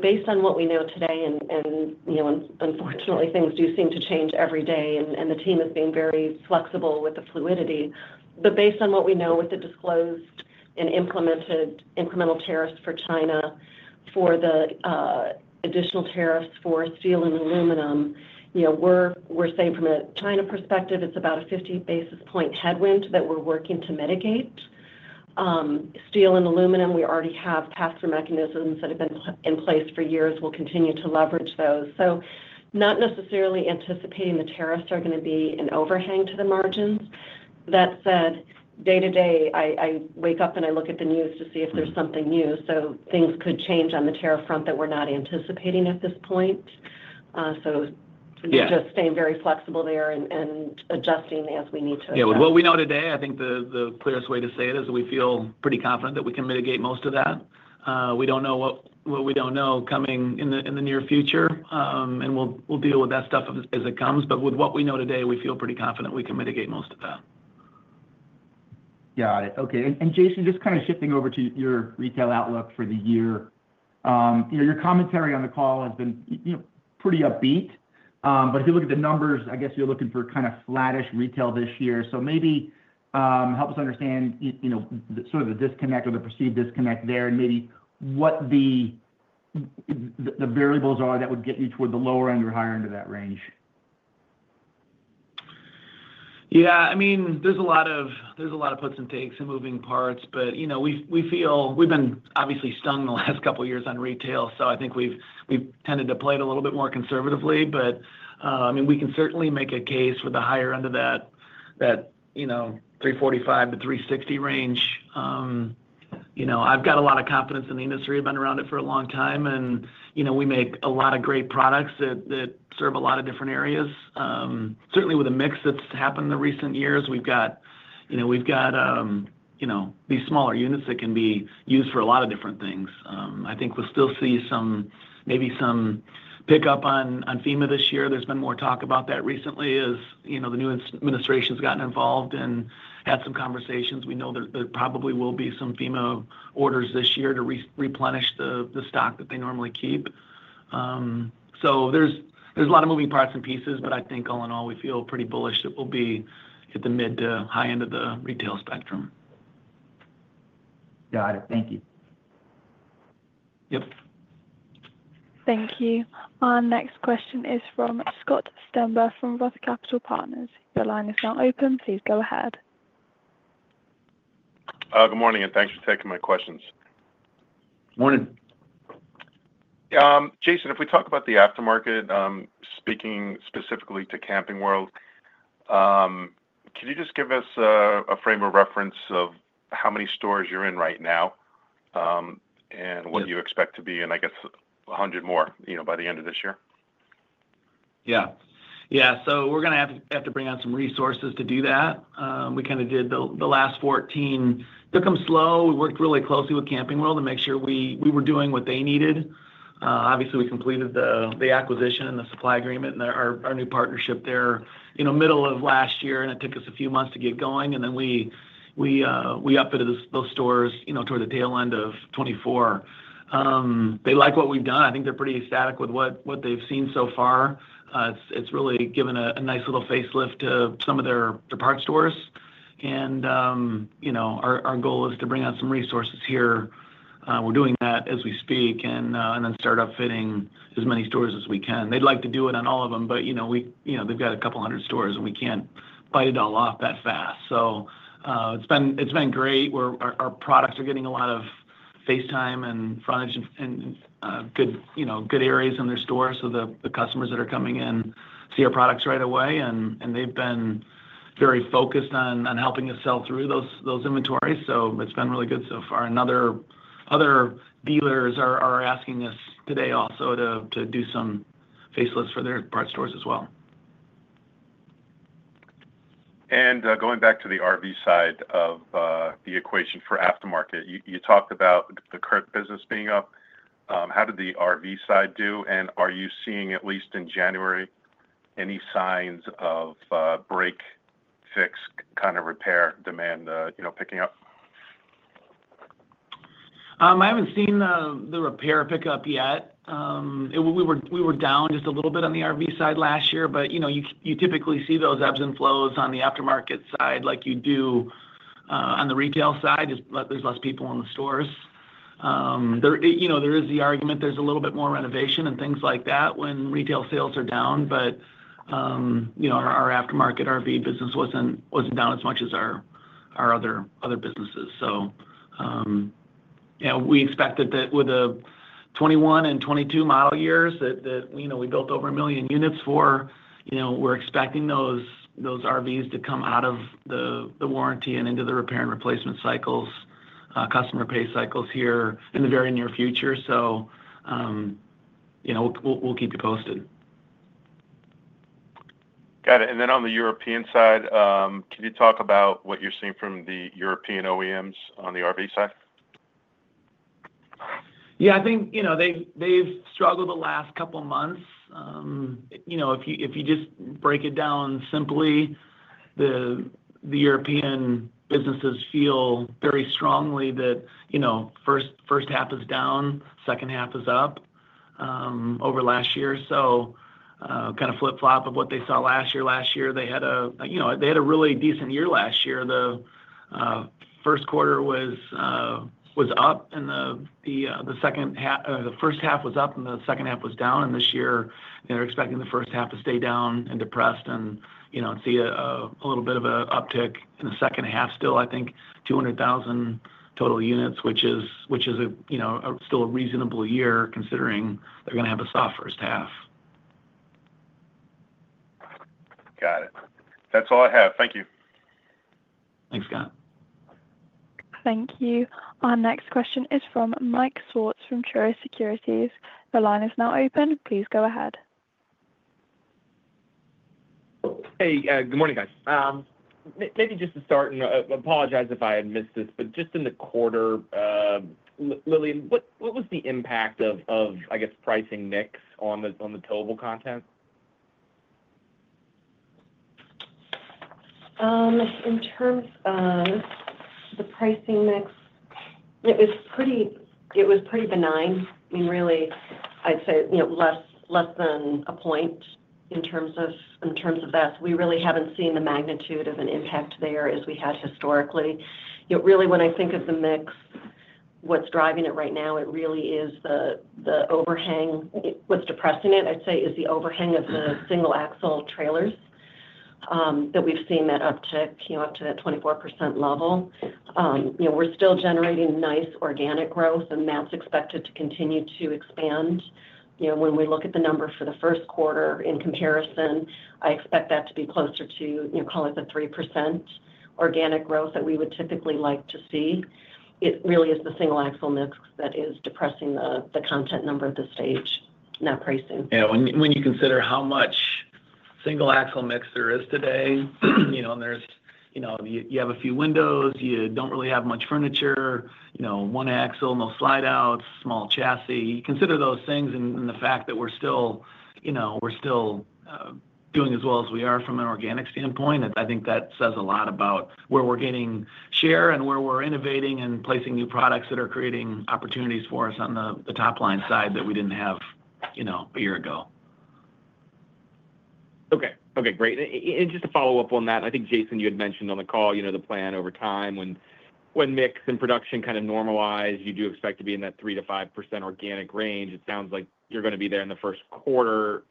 based on what we know today, and unfortunately, things do seem to change every day, and the team is being very flexible with the fluidity, but based on what we know with the disclosed and implemented incremental tariffs for China, for the additional tariffs for steel and aluminum, we're saying from a China perspective, it's about a 50 basis points headwind that we're working to mitigate. Steel and aluminum, we already have pass-through mechanisms that have been in place for years. We'll continue to leverage those. So not necessarily anticipating the tariffs are going to be an overhang to the margins. That said, day to day, I wake up and I look at the news to see if there's something new. So things could change on the tariff front that we're not anticipating at this point. So just staying very flexible there and adjusting as we need to. Yeah. With what we know today, I think the clearest way to say it is we feel pretty confident that we can mitigate most of that. We don't know what we don't know coming in the near future, and we'll deal with that stuff as it comes. But with what we know today, we feel pretty confident we can mitigate most of that. Got it. Okay. And Jason, just kind of shifting over to your retail outlook for the year, your commentary on the call has been pretty upbeat. But if you look at the numbers, I guess you're looking for kind of flattish retail this year. So maybe help us understand sort of the disconnect or the perceived disconnect there and maybe what the variables are that would get you toward the lower end or higher end of that range. Yeah. I mean, there's a lot of puts and takes and moving parts, but we feel we've been obviously stung the last couple of years on retail. So I think we've tended to play it a little bit more conservatively. But I mean, we can certainly make a case for the higher end of that 345-360 range. I've got a lot of confidence in the industry. I've been around it for a long time, and we make a lot of great products that serve a lot of different areas. Certainly, with the mix that's happened in the recent years, we've got these smaller units that can be used for a lot of different things. I think we'll still see maybe some pickup on FEMA this year. There's been more talk about that recently as the new administration has gotten involved and had some conversations. We know that there probably will be some FEMA orders this year to replenish the stock that they normally keep. So there's a lot of moving parts and pieces, but I think all in all, we feel pretty bullish that we'll be at the mid to high end of the retail spectrum. Got it. Thank you. Yep. Thank you. Our next question is from Scott Stember from Roth Capital Partners.Your line is now open. Please go ahead. Good morning, and thanks for taking my questions. Morning. Jason, if we talk about the aftermarket, speaking specifically to Camping World, can you just give us a frame of reference of how many stores you're in right now and what you expect to be in, I guess, 100 more by the end of this year? Yeah. Yeah. So we're going to have to bring out some resources to do that. We kind of did the last 14. Took them slow. We worked really closely with Camping World to make sure we were doing what they needed. Obviously, we completed the acquisition and the supply agreement and our new partnership there middle of last year, and it took us a few months to get going. And then we updated those stores toward the tail end of 2024. They like what we've done. I think they're pretty ecstatic with what they've seen so far. It's really given a nice little facelift to some of their dealer stores. And our goal is to bring out some resources here. We're doing that as we speak and then start upfitting as many stores as we can. They'd like to do it on all of them, but they've got a couple hundred stores, and we can't bite it all off that fast. So it's been great. Our products are getting a lot of face time and frontage and good areas in their stores so the customers that are coming in see our products right away. And they've been very focused on helping us sell through those inventories. So it's been really good so far. And other dealers are asking us today also to do some facelifts for their dealer stores as well. And going back to the RV side of the equation for aftermarket, you talked about the current business being up. How did the RV side do? And are you seeing, at least in January, any signs of break-fix, kind of repair demand picking up? I haven't seen the repair pickup yet. We were down just a little bit on the RV side last year, but you typically see those ebbs and flows on the aftermarket side like you do on the retail side as there's less people in the stores. There is the argument there's a little bit more renovation and things like that when retail sales are down, but our aftermarket RV business wasn't down as much as our other businesses. We expect that with the 2021 and 2022 model years that we built over a million units for, we're expecting those RVs to come out of the warranty and into the repair and replacement cycles, customer pay cycles here in the very near future. We'll keep you posted. Got it. Then on the European side, can you talk about what you're seeing from the European OEMs on the RV side? Yeah. I think they've struggled the last couple of months. If you just break it down simply, the European businesses feel very strongly that first half is down, second half is up over last year. Kind of flip-flop of what they saw last year. Last year, they had a really decent year last year. The Q1 was up, and the second half or the first half was up, and the second half was down, and this year, they're expecting the first half to stay down and depressed and see a little bit of an uptick in the second half still, I think, 200,000 total units, which is still a reasonable year considering they're going to have a soft first half. Got it. That's all I have. Thank you. Thanks, Scott. Thank you. Our next question is from Mike Swartz from Truist Securities. The line is now open. Please go ahead. Hey. Good morning, guys. Maybe just to start, and I apologize if I had missed this, but just in the quarter, Lillian, what was the impact of, I guess, pricing mix on the total content? In terms of the pricing mix, it was pretty benign. I mean, really, I'd say less than a point in terms of that. We really haven't seen the magnitude of an impact there as we had historically. Really, when I think of the mix, what's driving it right now, it really is the overhang. What's depressing it, I'd say, is the overhang of the single-axle trailers that we've seen that up to that 24% level. We're still generating nice organic growth, and that's expected to continue to expand. When we look at the number for the Q1 in comparison, I expect that to be closer to, call it the 3% organic growth that we would typically like to see. It really is the single-axle mix that is depressing the content number at this stage, not pricing. Yeah. When you consider how much single-axle mix there is today, and you have a few windows, you don't really have much furniture, one-axle, no slide-outs, small chassis, you consider those things and the fact that we're still doing as well as we are from an organic standpoint, I think that says a lot about where we're getting share and where we're innovating and placing new products that are creating opportunities for us on the top line side that we didn't have a year ago. Okay. Okay. Great, and just to follow up on that, I think, Jason, you had mentioned on the call the plan over time when mix and production kind of normalize, you do expect to be in that 3%-5% organic range. It sounds like you're going to be there in the Q1.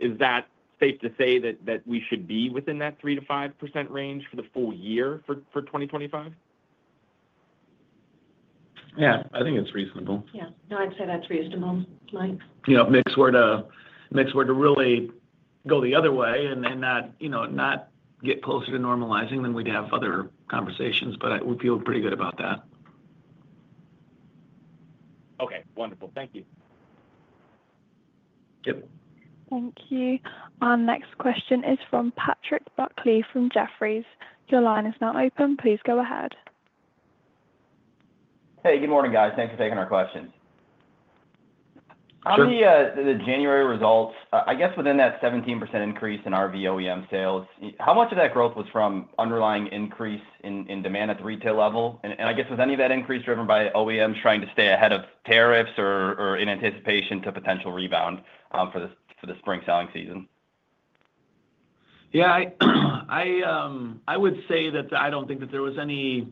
Is that safe to say that we should be within that 3%-5% range for the full year for 2025? Yeah. I think it's reasonable. Yeah. No, I'd say that's reasonable, Mike. If mix were to really go the other way and not get closer to normalizing, then we'd have other conversations, but we feel pretty good about that. Okay. Wonderful. Thank you. Thank you. Our next question is from Patrick Buckley from Jefferies. Your line is now open. Please go ahead. Hey. Good morning, guys. Thanks for taking our questions. Sure. On the January results, I guess within that 17% increase in RV OEM sales, how much of that growth was from underlying increase in demand at the retail level? I guess, was any of that increase driven by OEMs trying to stay ahead of tariffs or in anticipation to potential rebound for the spring selling season? Yeah. I would say that I don't think that there was any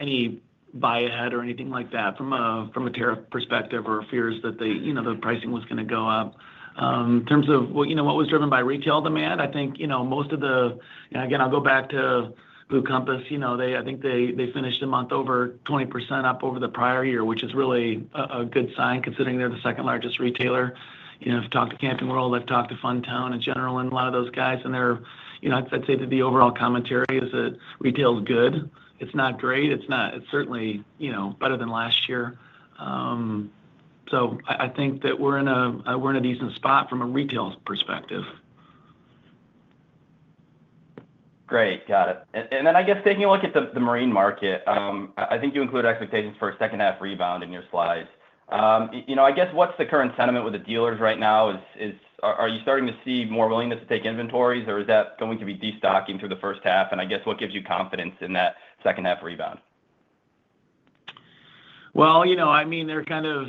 buy-ahead or anything like that from a tariff perspective or fears that the pricing was going to go up. In terms of what was driven by retail demand, I think most of the—and again, I'll go back to Blue Compass. I think they finished the month over 20% up over the prior year, which is really a good sign considering they're the second largest retailer. I've talked to Camping World. I've talked to Fun Town in general and a lot of those guys. And I'd say that the overall commentary is that retail's good. It's not great. It's certainly better than last year. So I think that we're in a decent spot from a retail perspective. Great. Got it. And then I guess taking a look at the marine market, I think you include expectations for a second-half rebound in your slides. I guess what's the current sentiment with the dealers right now? Are you starting to see more willingness to take inventories, or is that going to be destocking through the first half? And I guess what gives you confidence in that second-half rebound? Well, I mean, they're kind of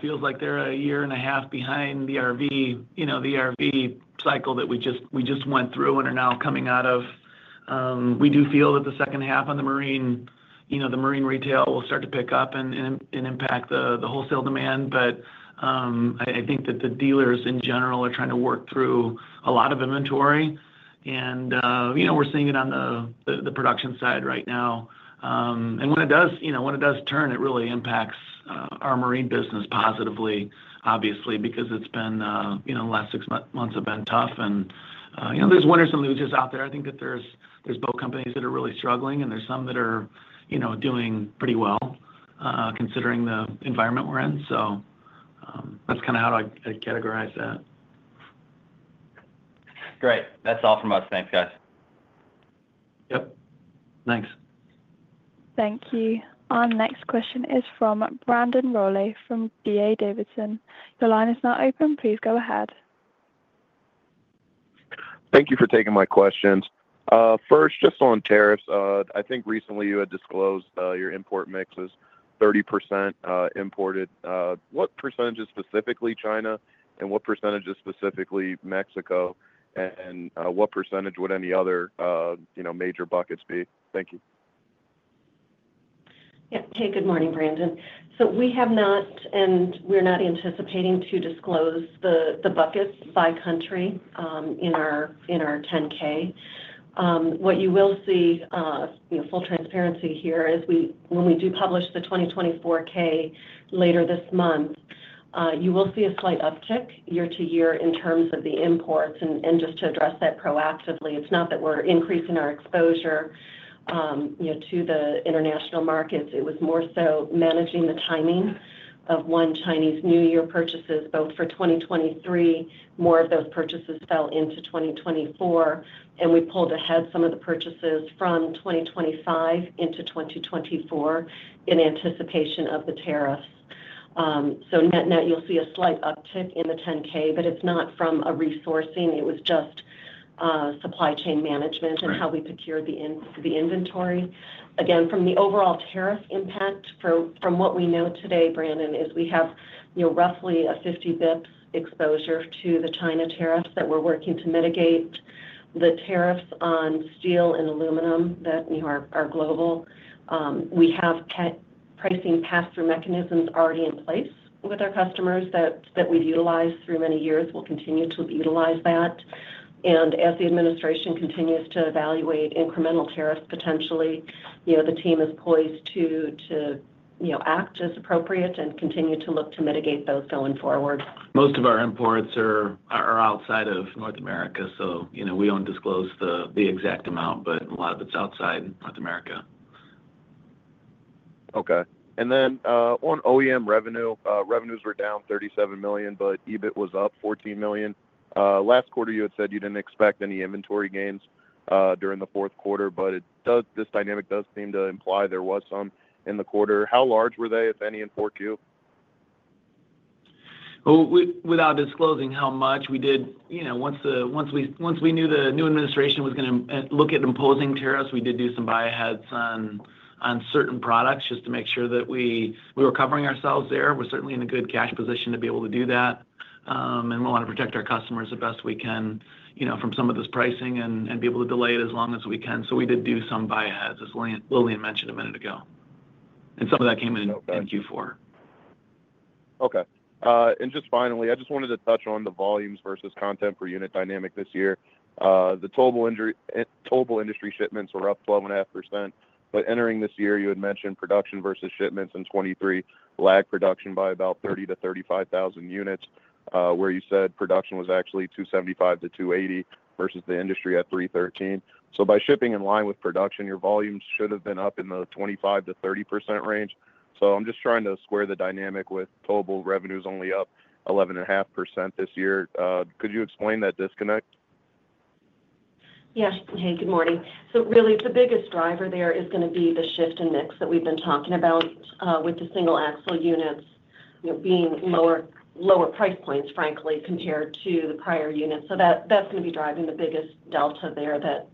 feels like they're a year and a half behind the RV cycle that we just went through and are now coming out of. We do feel that the second half on the marine retail will start to pick up and impact the wholesale demand. But I think that the dealers, in general, are trying to work through a lot of inventory. We're seeing it on the production side right now. And when it does turn, it really impacts our marine business positively, obviously, because it's been, the last six months have been tough. And there's winners and losers out there. I think that there's boat companies that are really struggling, and there's some that are doing pretty well considering the environment we're in. So that's kind of how I'd categorize that. Great. That's all from us. Thanks, guys. Yep. Thanks. Thank you. Our next question is from Brandon Rolle from D.A. Davidson. The line is now open. Please go ahead. Thank you for taking my questions. First, just on tariffs, I think recently you had disclosed your import mix is 30% imported. What percentage is specifically China, and what percentage is specifically Mexico, and what percentage would any other major buckets be? Thank you. Yep. Hey. Good morning, Brandon. So we have not, and we're not anticipating to disclose the buckets by country in our 10-K. What you will see, full transparency here, is when we do publish the 2024 10-K later this month, you will see a slight uptick year to year in terms of the imports. And just to address that proactively, it's not that we're increasing our exposure to the international markets. It was more so managing the timing of our Chinese New Year purchases bought for 2023. More of those purchases fell into 2024, and we pulled ahead some of the purchases from 2025 into 2024 in anticipation of the tariffs. So net-net, you'll see a slight uptick in the 10-K, but it's not from a re-sourcing. It was just supply chain management and how we procured the inventory. Again, from the overall tariff impact, from what we know today, Brandon, is we have roughly a 50 basis points exposure to the China tariffs that we're working to mitigate. The tariffs on steel and aluminum that are global, we have pricing pass-through mechanisms already in place with our customers that we've utilized through many years. We'll continue to utilize that. And as the administration continues to evaluate incremental tariffs potentially, the team is poised to act as appropriate and continue to look to mitigate those going forward. Most of our imports are outside of North America, so we don't disclose the exact amount, but a lot of it's outside North America. Okay. And then on OEM revenue, revenues were down $37 million, but EBIT was up $14 million. Last quarter, you had said you didn't expect any inventory gains during the Q4, but this dynamic does seem to imply there was some in the quarter. How large were they, if any, in 4Q? Well, without disclosing how much, we did. Once we knew the new administration was going to look at imposing tariffs, we did do some buy-aheads on certain products just to make sure that we were covering ourselves there. We're certainly in a good cash position to be able to do that. And we want to protect our customers the best we can from some of this pricing and be able to delay it as long as we can. So we did do some buy-aheads, as Lillian mentioned a minute ago. And some of that came in Q4. Okay. Just finally, I just wanted to touch on the volumes versus content per unit dynamic this year. The total industry shipments were up 12.5%. But entering this year, you had mentioned production versus shipments in 2023 lagged production by about 30,000-35,000 units, where you said production was actually 275,000-280,000 versus the industry at 313,000. So by shipping in line with production, your volumes should have been up in the 25%-30% range. So I'm just trying to square the dynamic with total revenues only up 11.5% this year. Could you explain that disconnect? Yes. Hey. Good morning. So really, the biggest driver there is going to be the shift in mix that we've been talking about with the single-axle units being lower price points, frankly, compared to the prior units. So that's going to be driving the biggest delta there that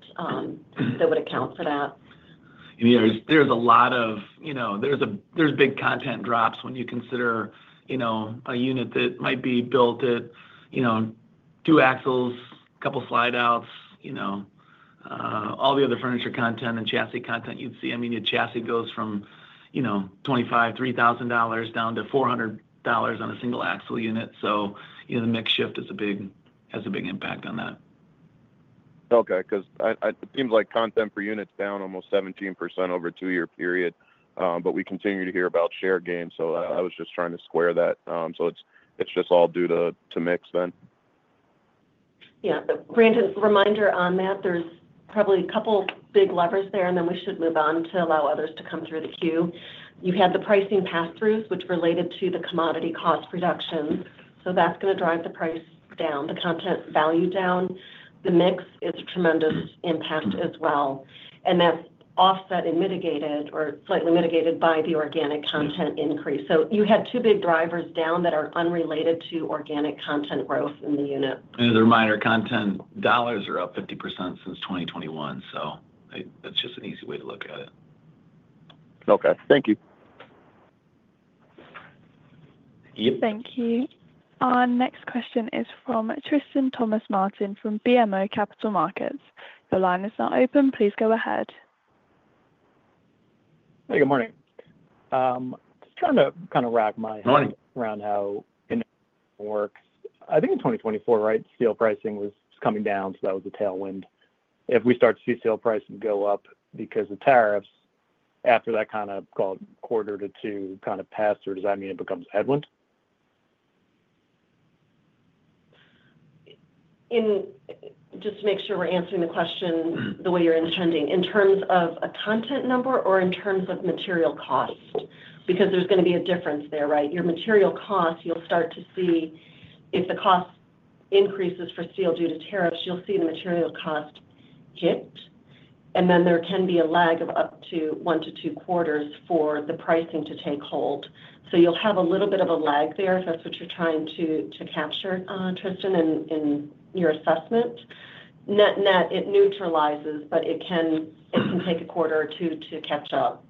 would account for that. There's big content drops when you consider a unit that might be built at two axles, a couple of slide-outs, all the other furniture content and chassis content you'd see. I mean, your chassis goes from 25,000 to 3,000 down to 400 on a single-axle unit. So the mix shift has a big impact on that. Okay. Because it seems like content per unit's down almost 17% over a two-year period, but we continue to hear about share gains. So I was just trying to square that. So it's just all due to mix then? Yeah. Brandon, reminder on that. There's probably a couple of big levers there, and then we should move on to allow others to come through the queue. You had the pricing pass-throughs, which related to the commodity cost reduction, so that's going to drive the price down, the content value down. The mix is a tremendous impact as well, and that's offset and mitigated or slightly mitigated by the organic content increase, so you had two big drivers down that are unrelated to organic content growth in the unit, And their minor content dollars are up 50% since 2021, so that's just an easy way to look at it. Okay. Thank you. Yep. Thank you. Our next question is from Tristan Thomas-Martin from BMO Capital Markets. The line is now open. Please go ahead. Hey. Good morning. Just trying to kind of wrap my head around how it works. I think in 2024, right, steel pricing was coming down, so that was a tailwind. If we start to see steel prices go up because of tariffs, after that kind of one to two kind of pass-through, does that mean it becomes a headwind? Just to make sure we're answering the question the way you're intending, in terms of a content number or in terms of material cost, because there's going to be a difference there, right? Your material cost, you'll start to see if the cost increases for steel due to tariffs, you'll see the material cost hit. And then there can be a lag of up to one to two quarters for the pricing to take hold. So you'll have a little bit of a lag there, if that's what you're trying to capture, Tristan, in your assessment. Net-net, it neutralizes, but it can take a quarter or two to catch up.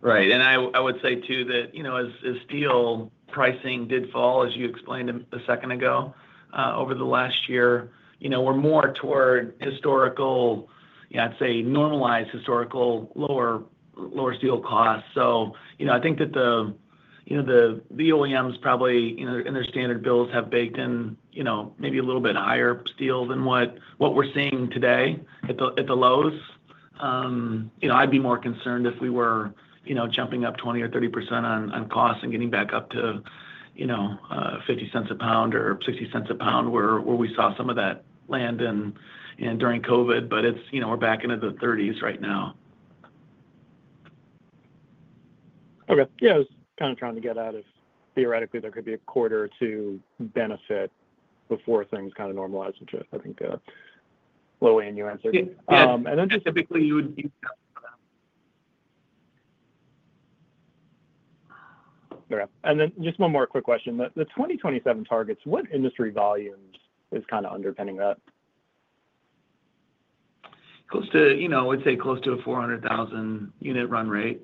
Right. And I would say too that as steel pricing did fall, as you explained a second ago, over the last year, we're more toward historical. I'd say normalized historical lower steel costs. So I think that the OEMs probably in their standard bills have baked in maybe a little bit higher steel than what we're seeing today at the lows. I'd be more concerned if we were jumping up 20% or 30% on costs and getting back up to $0.50 a pound or $0.60 a pound where we saw some of that land in during COVID. But we're back into the 30s right now. Okay. Yeah. I was kind of trying to get at if theoretically there could be a quarter or two benefit before things kind of normalize into. I think low-end, you answered. And then just. Typically, you would be. Okay. And then just one more quick question. The 2027 targets, what industry volume is kind of underpinning that? I would say close to a 400,000 unit run rate.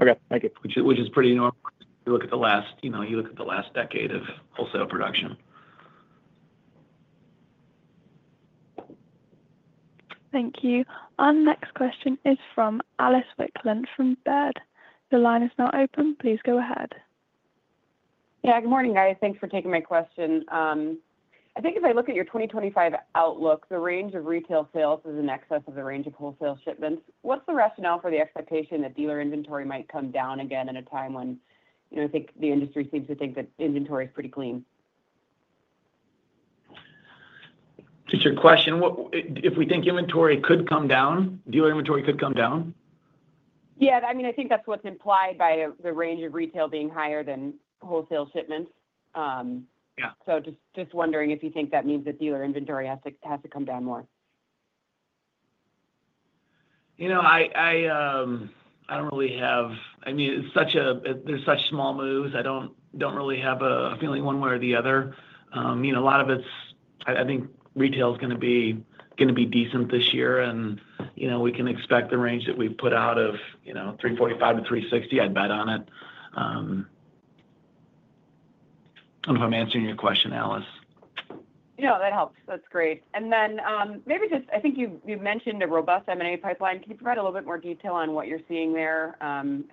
Okay. Thank you. Which is pretty normal if you look at the last—you look at the last decade of wholesale production. Thank you. Our next question is from Alice Wycklendt from Baird. The line is now open. Please go ahead. Yeah. Good morning, guys. Thanks for taking my question. I think if I look at your 2025 outlook, the range of retail sales is in excess of the range of wholesale shipments. What's the rationale for the expectation that dealer inventory might come down again in a time when I think the industry seems to think that inventory is pretty clean? Just your question. If we think inventory could come down, dealer inventory could come down? Yeah. I mean, I think that's what's implied by the range of retail being higher than wholesale shipments. So just wondering if you think that means that dealer inventory has to come down more. I don't really have—I mean, there's such small moves. I don't really have a feeling one way or the other. A lot of it's, I think retail is going to be decent this year. And we can expect the range that we've put out of 345-360. I'd bet on it. I don't know if I'm answering your question, Alice. No, that helps. That's great. And then maybe just—I think you mentioned a robust M&A pipeline. Can you provide a little bit more detail on what you're seeing there and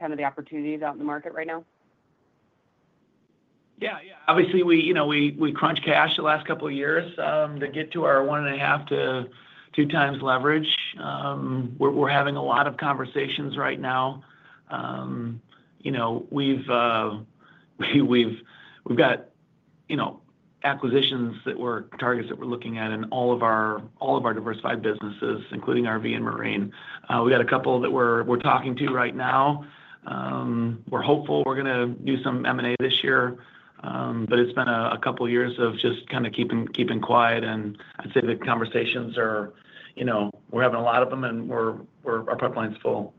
kind of the opportunities out in the market right now? Yeah. Yeah. Obviously, we crunched cash the last couple of years to get to our one and a half to two times leverage. We're having a lot of conversations right now. We've got acquisitions, targets that we're looking at in all of our diversified businesses, including RV and marine. We've got a couple that we're talking to right now. We're hopeful we're going to do some M&A this year. But it's been a couple of years of just kind of keeping quiet. And I'd say the conversations are. We're having a lot of them, and our pipeline's full.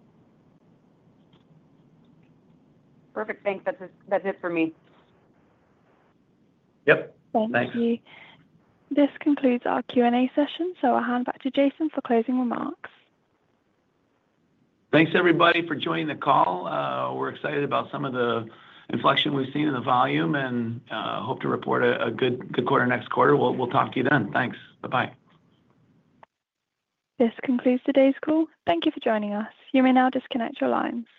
Perfect. Thanks. That's it for me. Yep. Thanks. Thank you. This concludes our Q&A session. So I'll hand back to Jason for closing remarks. Thanks, everybody, for joining the call. We're excited about some of the inflection we've seen in the volume and hope to report a good quarter next quarter. We'll talk to you then. Thanks. Bye-bye. This concludes today's call. Thank you for joining us. You may now disconnect your lines.